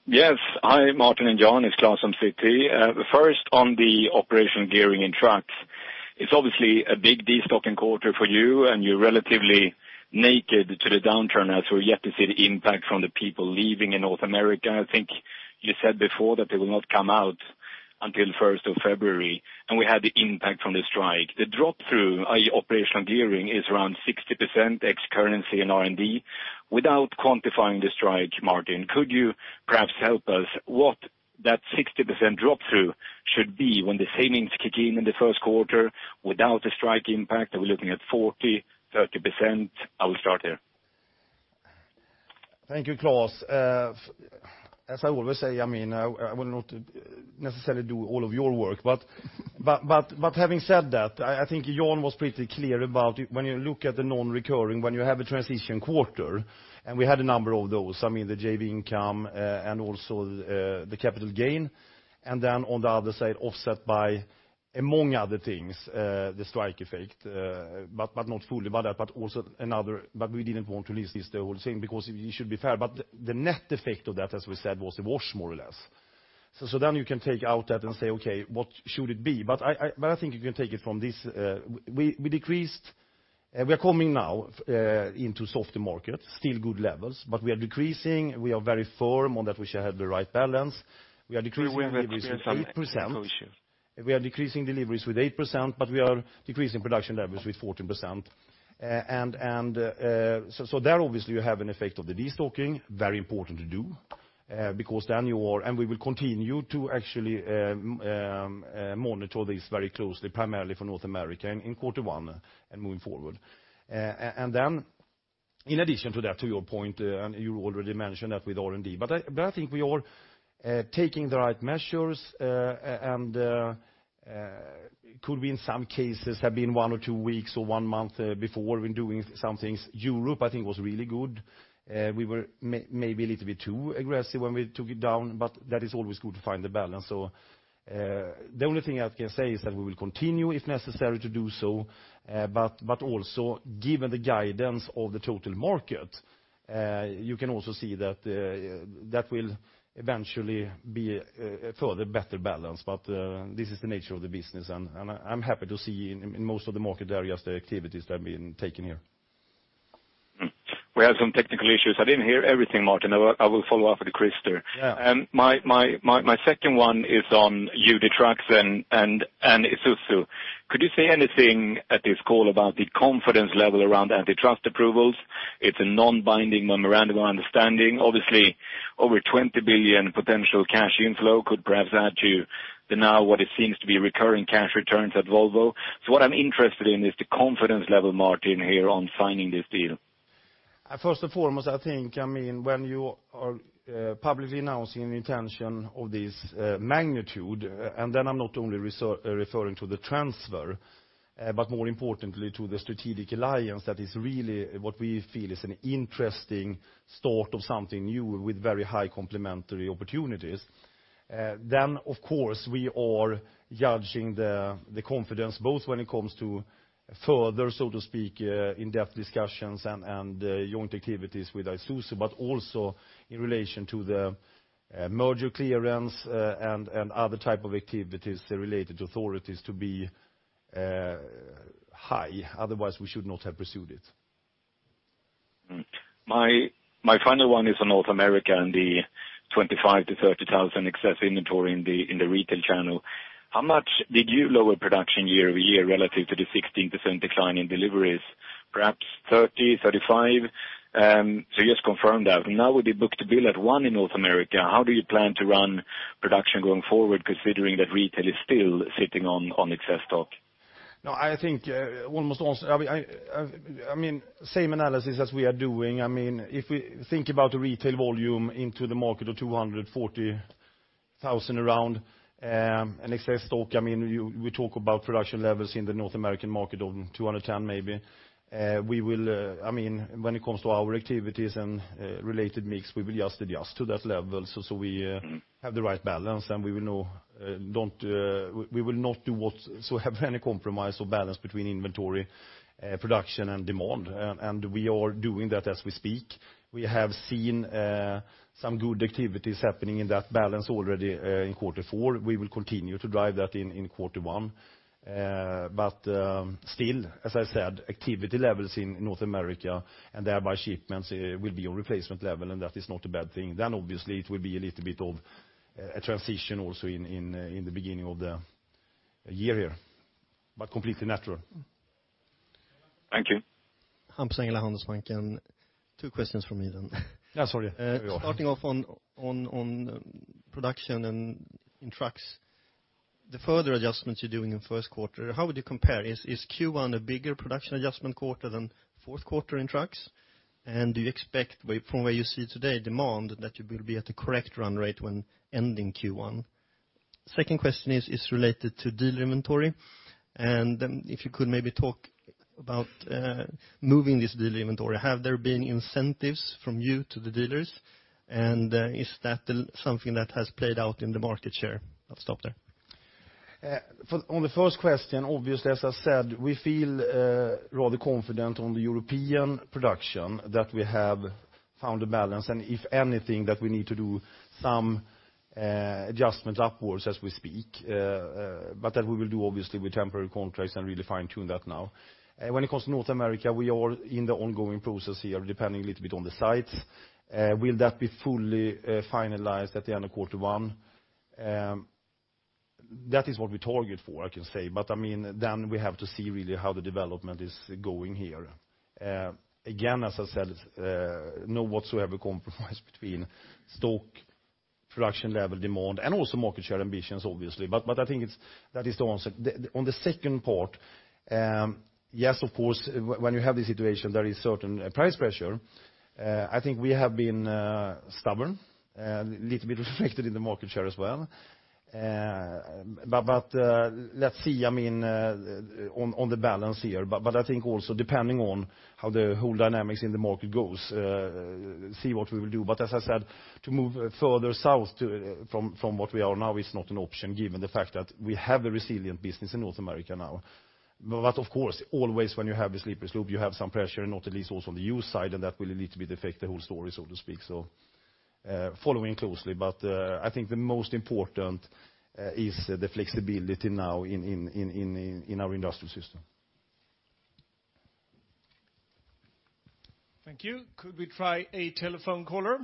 Yes. Hi, Martin and Jan, it's Klas from Citi. First, on the operational gearing in trucks, it's obviously a big destocking quarter for you, and you're relatively naked to the downturn, as we're yet to see the impact from the people leaving in North America. I think you said before that they will not come out until the 1st of February, and we had the impact from the strike. The drop-through, i.e., operational gearing, is around 60% ex-currency and R&D. Without quantifying the strike, Martin, could you perhaps help us with what that 60% drop-through should be when the savings kick in in the first quarter without the strike impact? Are we looking at 40%, 30%? I will start here. Thank you, Klas. As I always say, I want not to necessarily do all of your work. Having said that, I think Jan was pretty clear about it. When you look at the non-recurring, when you have a transition quarter, and we had a number of those, it's the JV income and the capital gain. On the other side, offset by, among other things, the strike effect, but not fully by that, but also by another. We didn't want to release this, the whole thing, because it should be fair. The net effect of that, as we said, was a wash, more or less. You can take out that and say, okay, what should it be? I think you can take it from this. We are coming now into softer markets, still good levels, but we are decreasing. We are very firm on that we shall have the right balance. We are decreasing deliveries by 8%. We are having some technical issues. We are decreasing deliveries with 8%, but we are decreasing production levels with 14%. There, obviously, you have an effect of the de-stocking.. Very important to do, because then we will continue to actually monitor this very closely, primarily for North America in quarter one and moving forward. Jan. In addition to that, to your point, you already mentioned that with R&D. I think we are taking the right measures and could be, in some cases, one, two weeks, or one month before we're doing some things. Europe, I think, was really good. We were maybe a little bit too aggressive when we took it down, but it is always good to find the balance. The only thing I can say is that we will continue if necessary to do so. Also, in the guidance of the total market, you can also see that there will eventually be a further, better balance. This is the nature of the business, and I'm happy to see, in most of the market areas, the activities that have been taken here. We have some technical issues. I didn't hear everything, Martin. I will follow up with Claes. Yeah. My second one is on UD Trucks and Isuzu. Could you say anything at this call about the confidence level around antitrust approvals? It's a non-binding memorandum of understanding. Obviously, over 20 billion potential cash inflow could perhaps add to the now what it seems to be recurring cash returns at Volvo. What I'm interested in is the confidence level, Martin, here in signing this deal. First and foremost, I think when you are publicly announcing an intention of this magnitude, and I'm not only referring to the transfer but more importantly to the strategic alliance, that is really what we feel is an interesting start of something new with very high complementary opportunities. Of course, we are judging the confidence both when it comes to further, so to speak, in-depth discussions and joint activities with Isuzu and in relation to the merger clearance and other types of activities related to authorities to be high. Otherwise, we should not have pursued it. My final one is on North America and the 25,000-30,000 excess inventory items in the retail channel. How much did you lower production year-over-year relative to the 16% decline in deliveries? Perhaps 30%, 35%? Just confirm that. With the book-to-bill at one in North America, how do you plan to run production going forward, considering that retail is still sitting on excess stock? No, I think. Same analysis as we are doing. If we think about the retail volume into the market of 240,000 with an excess stock, we talk about production levels in the North American market of 210,000 maybe. When it comes to our activities and related mix, we will just adjust to that level so we have the right balance, and we will not have any compromise or balance between inventory, production, and demand. We are doing that as we speak. We have seen some good activities happening in that balance already in quarter four. We will continue to drive that in quarter one. Still, as I said, activity levels in North America and, thereby, shipments will be on a replacement level, and that is not a bad thing. Obviously it will be a little bit of a transition also in the beginning of the year here, but it's completely natural. Thank you. Hampus Engellau, Handelsbanken. Two questions from me then. Yeah, sorry. Starting off on production and in trucks, the further adjustments you're doing in the first quarter, how would you compare? Is Q1 a bigger production adjustment quarter than the fourth quarter in trucks? Do you expect, from where you see today's demand, that you will be at the correct run rate when ending Q1? Second question is related to dealer inventory. If you could maybe talk about moving this dealer's inventory. Have there been incentives from you to the dealers? Is that something that has played out in the market share? I'll stop there. On the first question, obviously, as I said, we feel rather confident that in the European production we have found a balance. If anything, we need to make some adjustments upwards as we speak, but we will do that obviously with temporary contracts and really fine-tune that now. When it comes to North America, we are in the ongoing process here, depending a little bit on the sites. Will that be fully finalized at the end of Q1? That is what we target, I can say. We have to see really how the development is going here. Again, as I said, no whatsoever compromise between stock, production level, demand, and also market share ambitions, obviously. I think that is the answer. On the second part, yes, of course, when you have the situation, there is certain price pressure. I think we have been stubborn, a little bit, which is reflected in the market share as well. Let's see the balance here. I think also depending on how the whole dynamic in the market goes, we will see what we will do. As I said, to move further south from what we are now is not an option given the fact that we have a resilient business in North America now. Of course, always when you have a slippery slope, you have some pressure, not at least also on the user's side, and that will affect the whole story a little bit, so to speak. Following closely, but I think the most important is the flexibility now in our industrial system. Thank you. Could we try a telephone caller?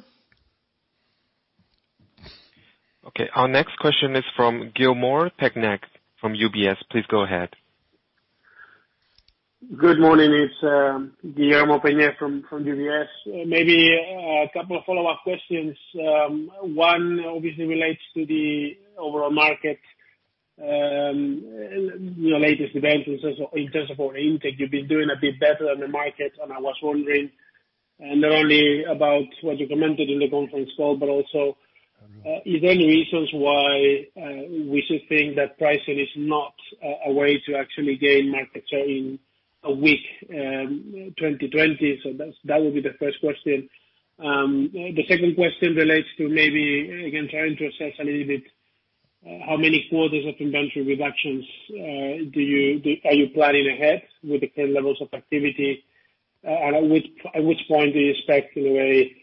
Okay. Our next question is from Guillermo Peigneux from UBS. Please go ahead. Good morning. It's Guillermo Peigneux from UBS. Maybe a couple of follow-up questions. One obviously relates to the overall market, the latest event in terms of order intake. You've been doing a bit better than the market, and I was wondering not only about what you commented on in the conference call but also if there are any reasons why we should think that pricing is not a way to actually gain market share in a weak 2020? That would be the first question. The second question relates to maybe, again, trying to assess a little bit how many quarters of inventory reductions are you planning ahead with the current levels of activity? At which point do you expect, really,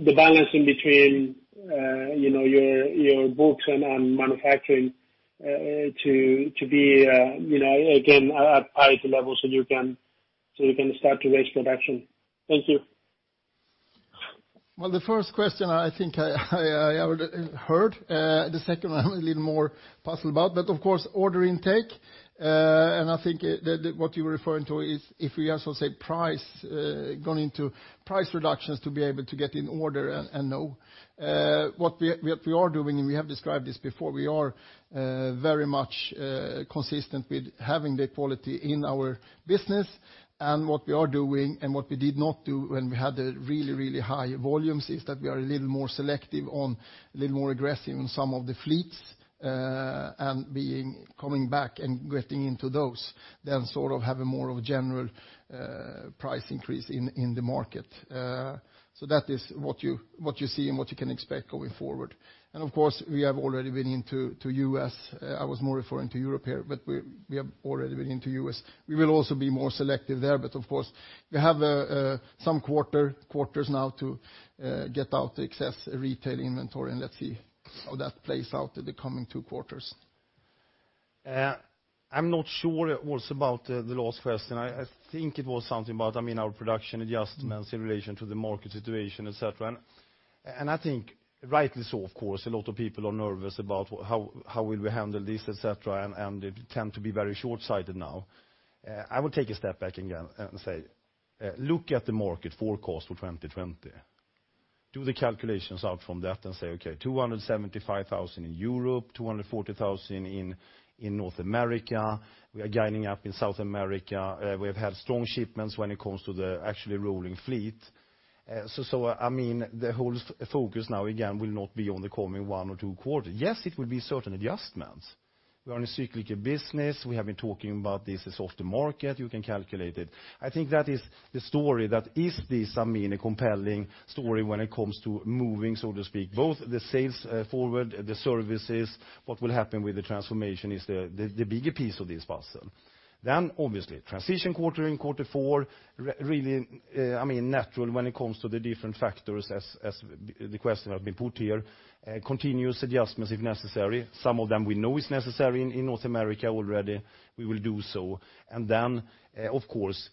the balancing between your books and manufacturing to be, again, at higher levels so you can start to raise production? Thank you. Well, the first question, I think I already heard. The second one, I'm a little more puzzled about. Of course, order intake, and I think that what you were referring to is if we are going into price reductions to be able to get an order and know it. What we are doing, and we have described this before, we are very much consistent with having the quality in our business. What we are doing, and what we did not do when we had the really high volumes, is that we are a little more selective on, a little more aggressive on, some of the fleets coming and getting into those than sort of having more of a general price increase in the market. That is what you see and what you can expect going forward. Of course, we have already been to U.S. I was more referring to Europe here, but we have already been to the U.S. We will also be more selective there, but of course, we have some quarters now to get out the excess retail inventory, and let's see how that plays out in the coming two quarters. I'm not sure what's about the last question. I think it was something about our production adjustments in relation to the market situation, et cetera. I think, rightly so, of course, a lot of people are nervous about how we will handle this, et cetera, and they tend to be very shortsighted now. I would take a step back again and say, look at the market forecast for 2020. Do the calculations out from that and say, okay, 275,000 in Europe, 240,000 in North America. We're gaining ground in South America. We have had strong shipments when it comes to the actually rolling fleet. The whole focus now, again, will not be on the coming one or two quarters. It will be certain adjustments. We are in a cyclical business. We have been talking about this soft market. You can calculate it. I think that is the story that is this, a compelling story when it comes to moving, so to speak, both the sales forward and the services forward. What will happen with the transformation is the bigger piece of this puzzle. Obviously, the transition in quarter four is really natural when it comes to the different factors, as the question has been put here. Continuous adjustments if necessary. Some of them, we know, are necessary in North America already. We will do so. Then, of course,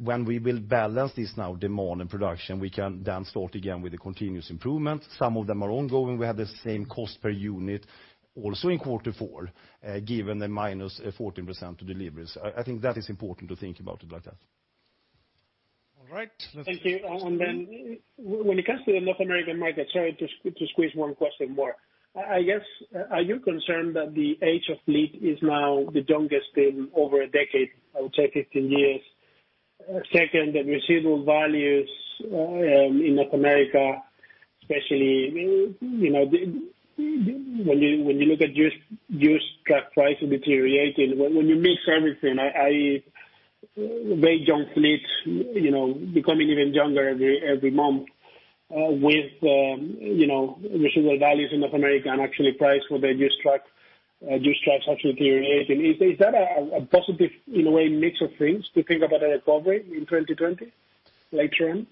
when we balance this now, demand and production, we can then start again with continuous improvement. Some of them are ongoing. We have the same cost per unit also in quarter four, given the -14% deliveries. I think it is important to think about it like that. All right. Thank you. When it comes to the North American market, sorry to squeeze in one more question. I guess, are you concerned that the age of the fleet is now the youngest in over a decade? I would say 15 years, second, the residual values in North America, especially when you look at used truck prices deteriorating, when you mix everything, very young fleets becoming even younger every month, with residual values in North America and actually price for the used trucks actually deteriorating. Is that a positive, in a way, mix of things to think about a recovery in 2020, late term?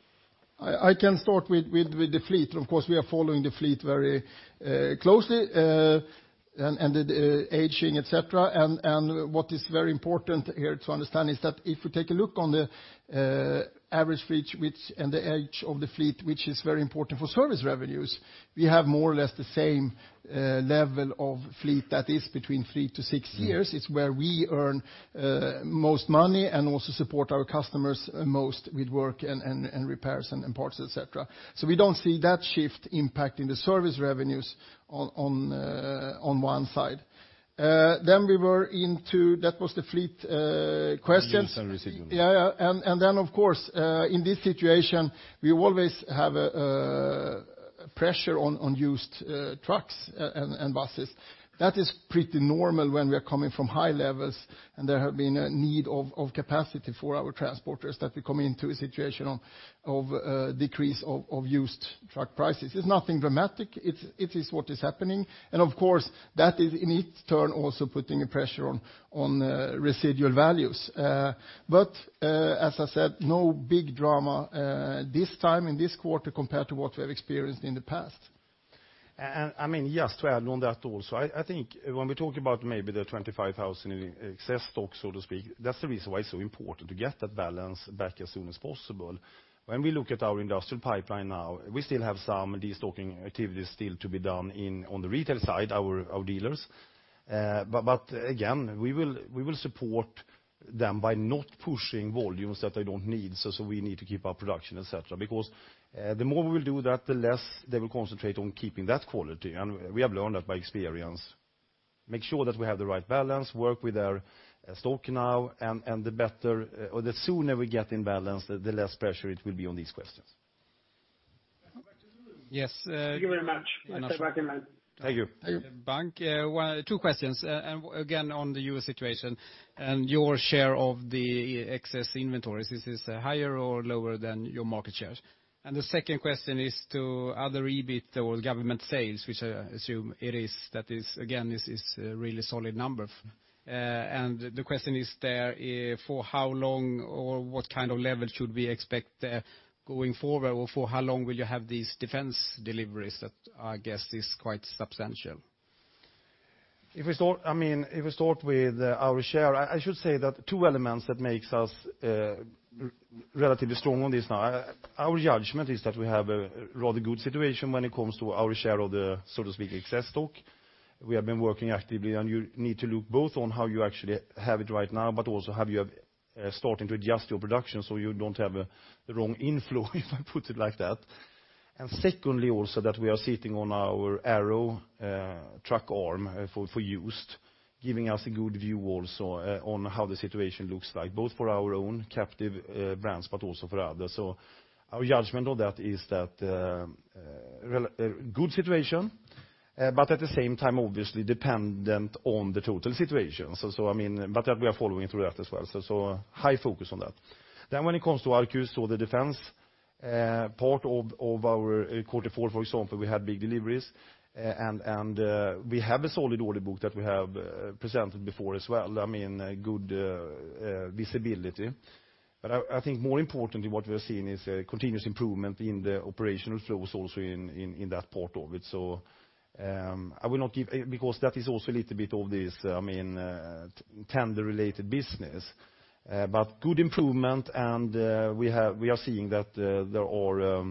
I can start with the fleet. Of course, we are following the fleet very closely, the aging, etc. What is very important here to understand is that if we take a look at the average fleet and the age of the fleet, which is very important for service revenues, we have more or less the same level of fleet that is between three-six years. It's where we earn the most money and also support our customers the most with work and repairs and parts. We don't see that shift impacting the service revenues on one side. We were into that, which was the fleet questions. Used and residual. Yeah. Then, of course, in this situation, we always have pressure on used trucks and buses. That is pretty normal when we are coming from high levels, and there has been a need for capacity for our transporters that we come into a situation of decrease of used truck prices. It's nothing dramatic. It is what is happening. Of course, that is in its turn also putting pressure on residual values. As I said, no big drama this time in this quarter compared to what we have experienced in the past. Just to add on that also, I think when we talk about maybe the 25,000 in excess stock, so to speak, that's the reason why it's so important to get that balance back as soon as possible. When we look at our industrial pipeline now, we still have some destocking activities still to be done on the retail side, our dealers'. Again, we will support them by not pushing volumes that they don't need, so we need to keep our production, et cetera. The more we do that, the less they will concentrate on keeping that quality. We have learned that by experience. Make sure that we have the right balance of work with our stock now, and the sooner we get in balance, the less pressure there will be on these questions. Yes. Thank you very much. I step back in line. Thank you. Thank you. Bank. Two questions. Again, on the U.S. situation and your share of the excess inventories, is this higher or lower than your market shares? The second question is to other EBIT or government sales, which I assume it is, that is again a really solid number. The question is, therefore, how long or what kind of level should we expect going forward? For how long will you have these defense deliveries that I guess are quite substantial? If we start with our share, I should say that two elements make us relatively strong on this now. Our judgment is that we have a rather good situation when it comes to our share of the, so to speak, excess stock. We have been working actively, and you need to look both at how you actually have it right now and also at how you have started to adjust your production so you don't have the wrong inflow, if I put it like that. Secondly, also that we are sitting on our Arrow Truck arm for use, giving us a good view also on how the situation looks, both for our own captive brands and also for others. Our judgment of that is that it's a good situation but, at the same time, obviously dependent on the total situation. We are following through that as well. High focus on that. When it comes to our Arquus, so the defense part of our quarter four, for example, we had big deliveries, and we have a solid order book that we have presented before as well, with good visibility. I think more importantly, what we are seeing is a continuous improvement in the operational flows, also in that part of it. I will not give, because that is also a little bit of this tender-related business. Good improvement, and we are seeing that there are,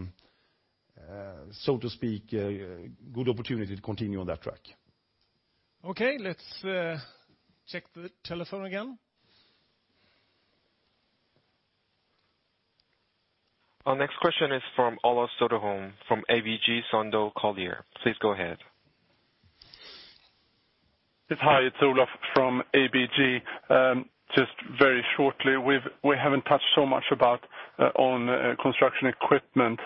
so to speak, good opportunities to continue on that track. Okay. Let's check the telephone again. Our next question is from Olof Cederholm from ABG Sundal Collier. Please go ahead. Hi, it's Olof from ABG. Just very shortly, we haven't touched much on construction equipment.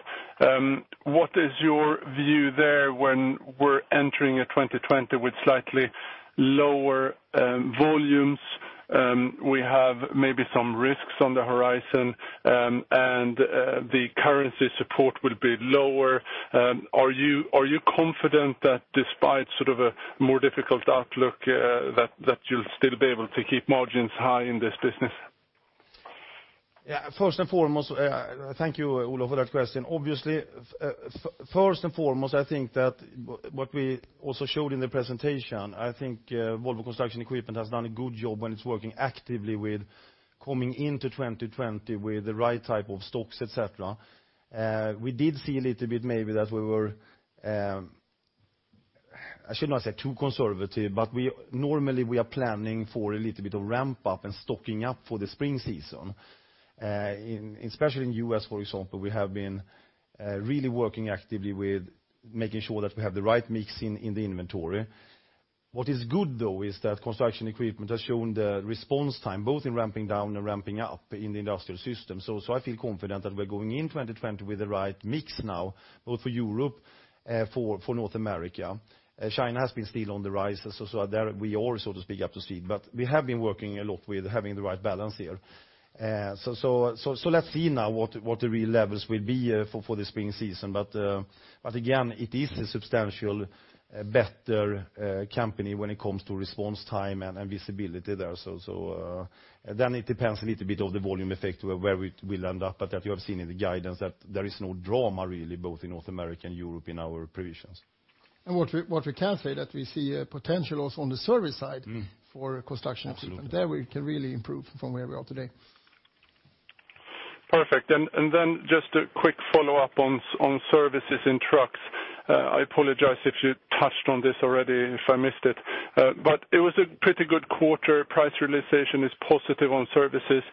What is your view there when we're entering 2020 with slightly lower volumes? We have maybe some risks on the horizon, and the currency support will be lower. Are you confident that despite sort of a more difficult outlook, you'll still be able to keep margins high in this business? First and foremost, thank you, Olof, for that question. First and foremost, I think that what we also showed in the presentation, Volvo Construction Equipment, has done a good job when it's working actively coming into 2020 with the right type of stocks, etc. We did see a little bit, maybe that we were—I should not say too conservative, but normally we are planning for a little bit of ramp-up and stocking up for the spring season. Especially in the U.S., for example, we have been really working actively with making sure that we have the right mix in the inventory. What is good, though, is that construction equipment has shown the response time, both in ramping down and ramping up, in the industrial systems. I feel confident that we're going into 2020 with the right mix now, both for Europe and for North America. China has still been on the rise, there we are, so to speak, up to speed. We have been working a lot with having the right balance here. Let's see now what the real levels will be for the spring season. Again, it is a substantially better company when it comes to response time and visibility there. It depends a little bit on the volume effect, where we will end up, but you have seen in the guidance that there is no drama really, both in North America and Europe, in our provisions. What we can say is that we see potential also on the service side for construction equipment. Absolutely. There we can really improve from where we are today. Perfect. Then just a quick follow-up on services and trucks. I apologize if you touched on this already and if I missed it. It was a pretty good quarter. Price realization is positive on services.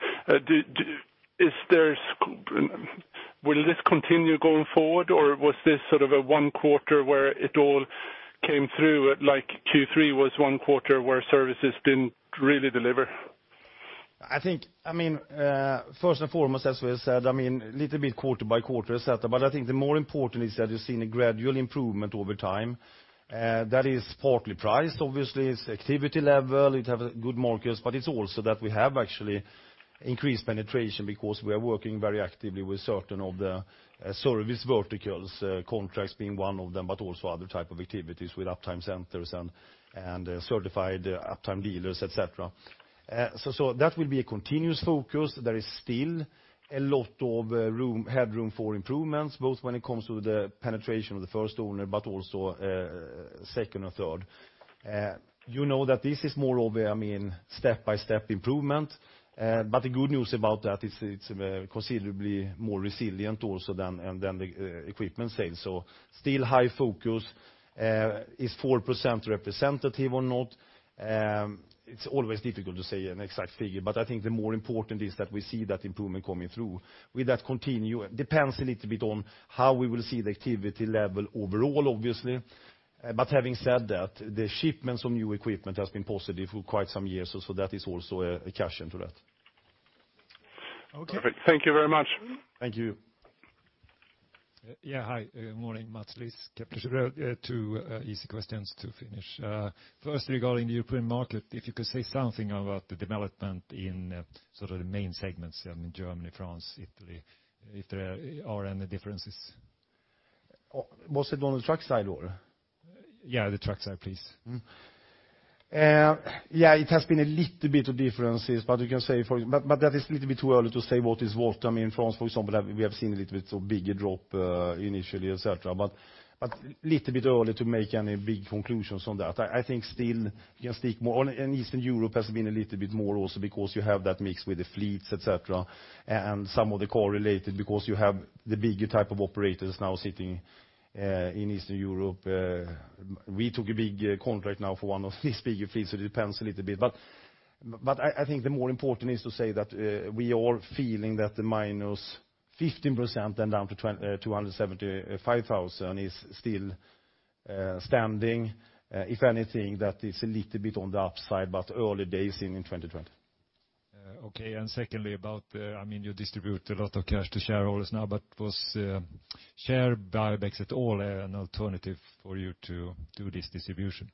Will this continue going forward, or was this sort of a one quarter where it all came through, like Q3 was one quarter where services didn't really deliver? First and foremost, as we said, a little bit quarter by quarter, et cetera. I think the more important thing is that you're seeing a gradual improvement over time. That is partly price. Obviously, it's activity level. It has good markers, but it's also that we have actually increased penetration because we are working very actively with certain of the service verticals, contracts being one of them, but also other types of activities with uptime centers and certified uptime dealers, etc. That will be a continuous focus. There is still a lot of headroom for improvements, both when it comes to the penetration of the first owner and also the second or third. You know that this is more of a step-by-step improvement. The good news about that is it's considerably more resilient also than the equipment sales are. Still high focus. Is 4% representative or not? It's always difficult to say an exact figure. I think the more important thing is that we see that improvement coming through. Will that continue? It depends a little bit on how we will see the activity level overall, obviously. Having said that, the shipments of new equipment have been positive for quite some years. That is also a caution to that. Okay. Thank you very much. Thank you. Yeah. Hi, morning! Mats Liss, pleasure. Two easy questions to finish. First, regarding the European market, could you say something about the development in sort of the main segments, Germany, France, and Italy, if there are any differences? Was it on the truck's side or? Yeah, the truck side, please. Yeah, there have been a little bit of differences, but it is a little bit too early to say what is what. In France, for example, we have seen a little bit bigger drop initially, et cetera. It is a little bit early to make any big conclusions on that. I think you can still speak more. Eastern Europe has been a little bit more also because you have that mix with the fleets, et cetera, and some of the correlations because you have the bigger type of operators now sitting in Eastern Europe. We took a big contract now for one of these bigger fleets. It depends a little bit. I think the more important thing is to say that we are feeling that the -15% and then down to 275,000 are still standing. If anything, that is a little bit on the upside, but early days in 2020. Okay. Secondly, you distribute a lot of cash to shareholders now, was share buybacks at all an alternative for you to do this distribution?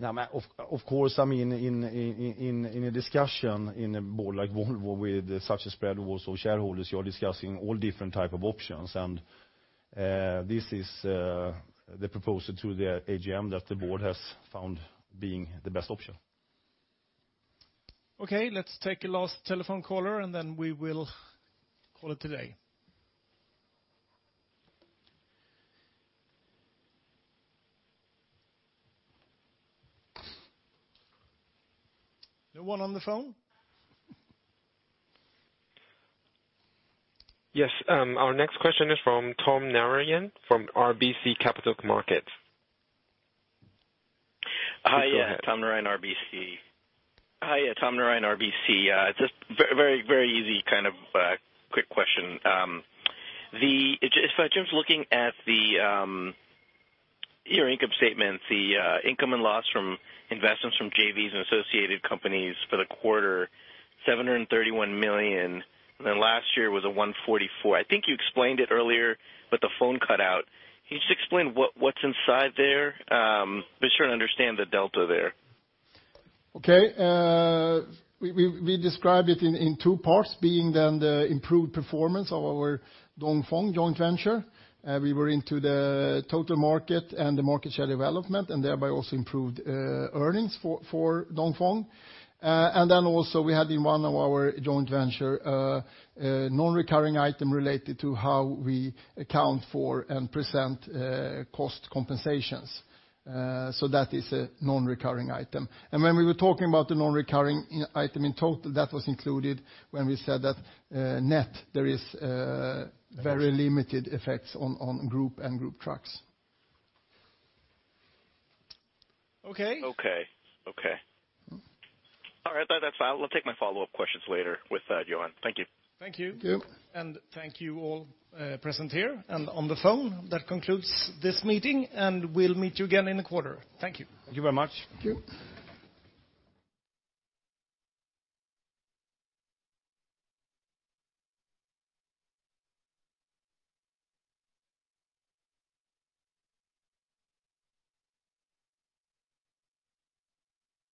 Of course, in a discussion in a board like Volvo's with such a spread also of shareholders, you are discussing all different types of options. This is the proposal to the AGM that the board has found to be the best option. Okay, let's take one last telephone caller, and then we will call it a day. No one on the phone? Yes. Our next question is from Tom Narayan from RBC Capital Markets. Please go ahead. Hi, Tom Narayan, RBC. Very easy, kind of quick question. I was looking at your income statement, the income and loss from investments from JVs and associated companies for the quarter, 731 million, last year was 144 million. I think you explained it earlier, the phone cut out. Can you just explain what's inside there? Trying to understand the delta there. Okay. We described it in two parts, being, then, the improved performance of our Dongfeng joint venture. We were into the total market and the market share development and thereby also improved earnings for Dongfeng. We had in one of our joint ventures a non-recurring item related to how we account for and present cost compensations. That is a non-recurring item. When we were talking about the non-recurring item in total, that was included when we said that net, there are very limited effects on Group and Group Trucks. Okay? Okay. All right. That's fine. I'll take my follow-up questions later with Jan. Thank you. Thank you. Thank you. Thank you to all present here and on the phone. That concludes this meeting, and we'll meet you again in a quarter. Thank you. Thank you very much. Thank you.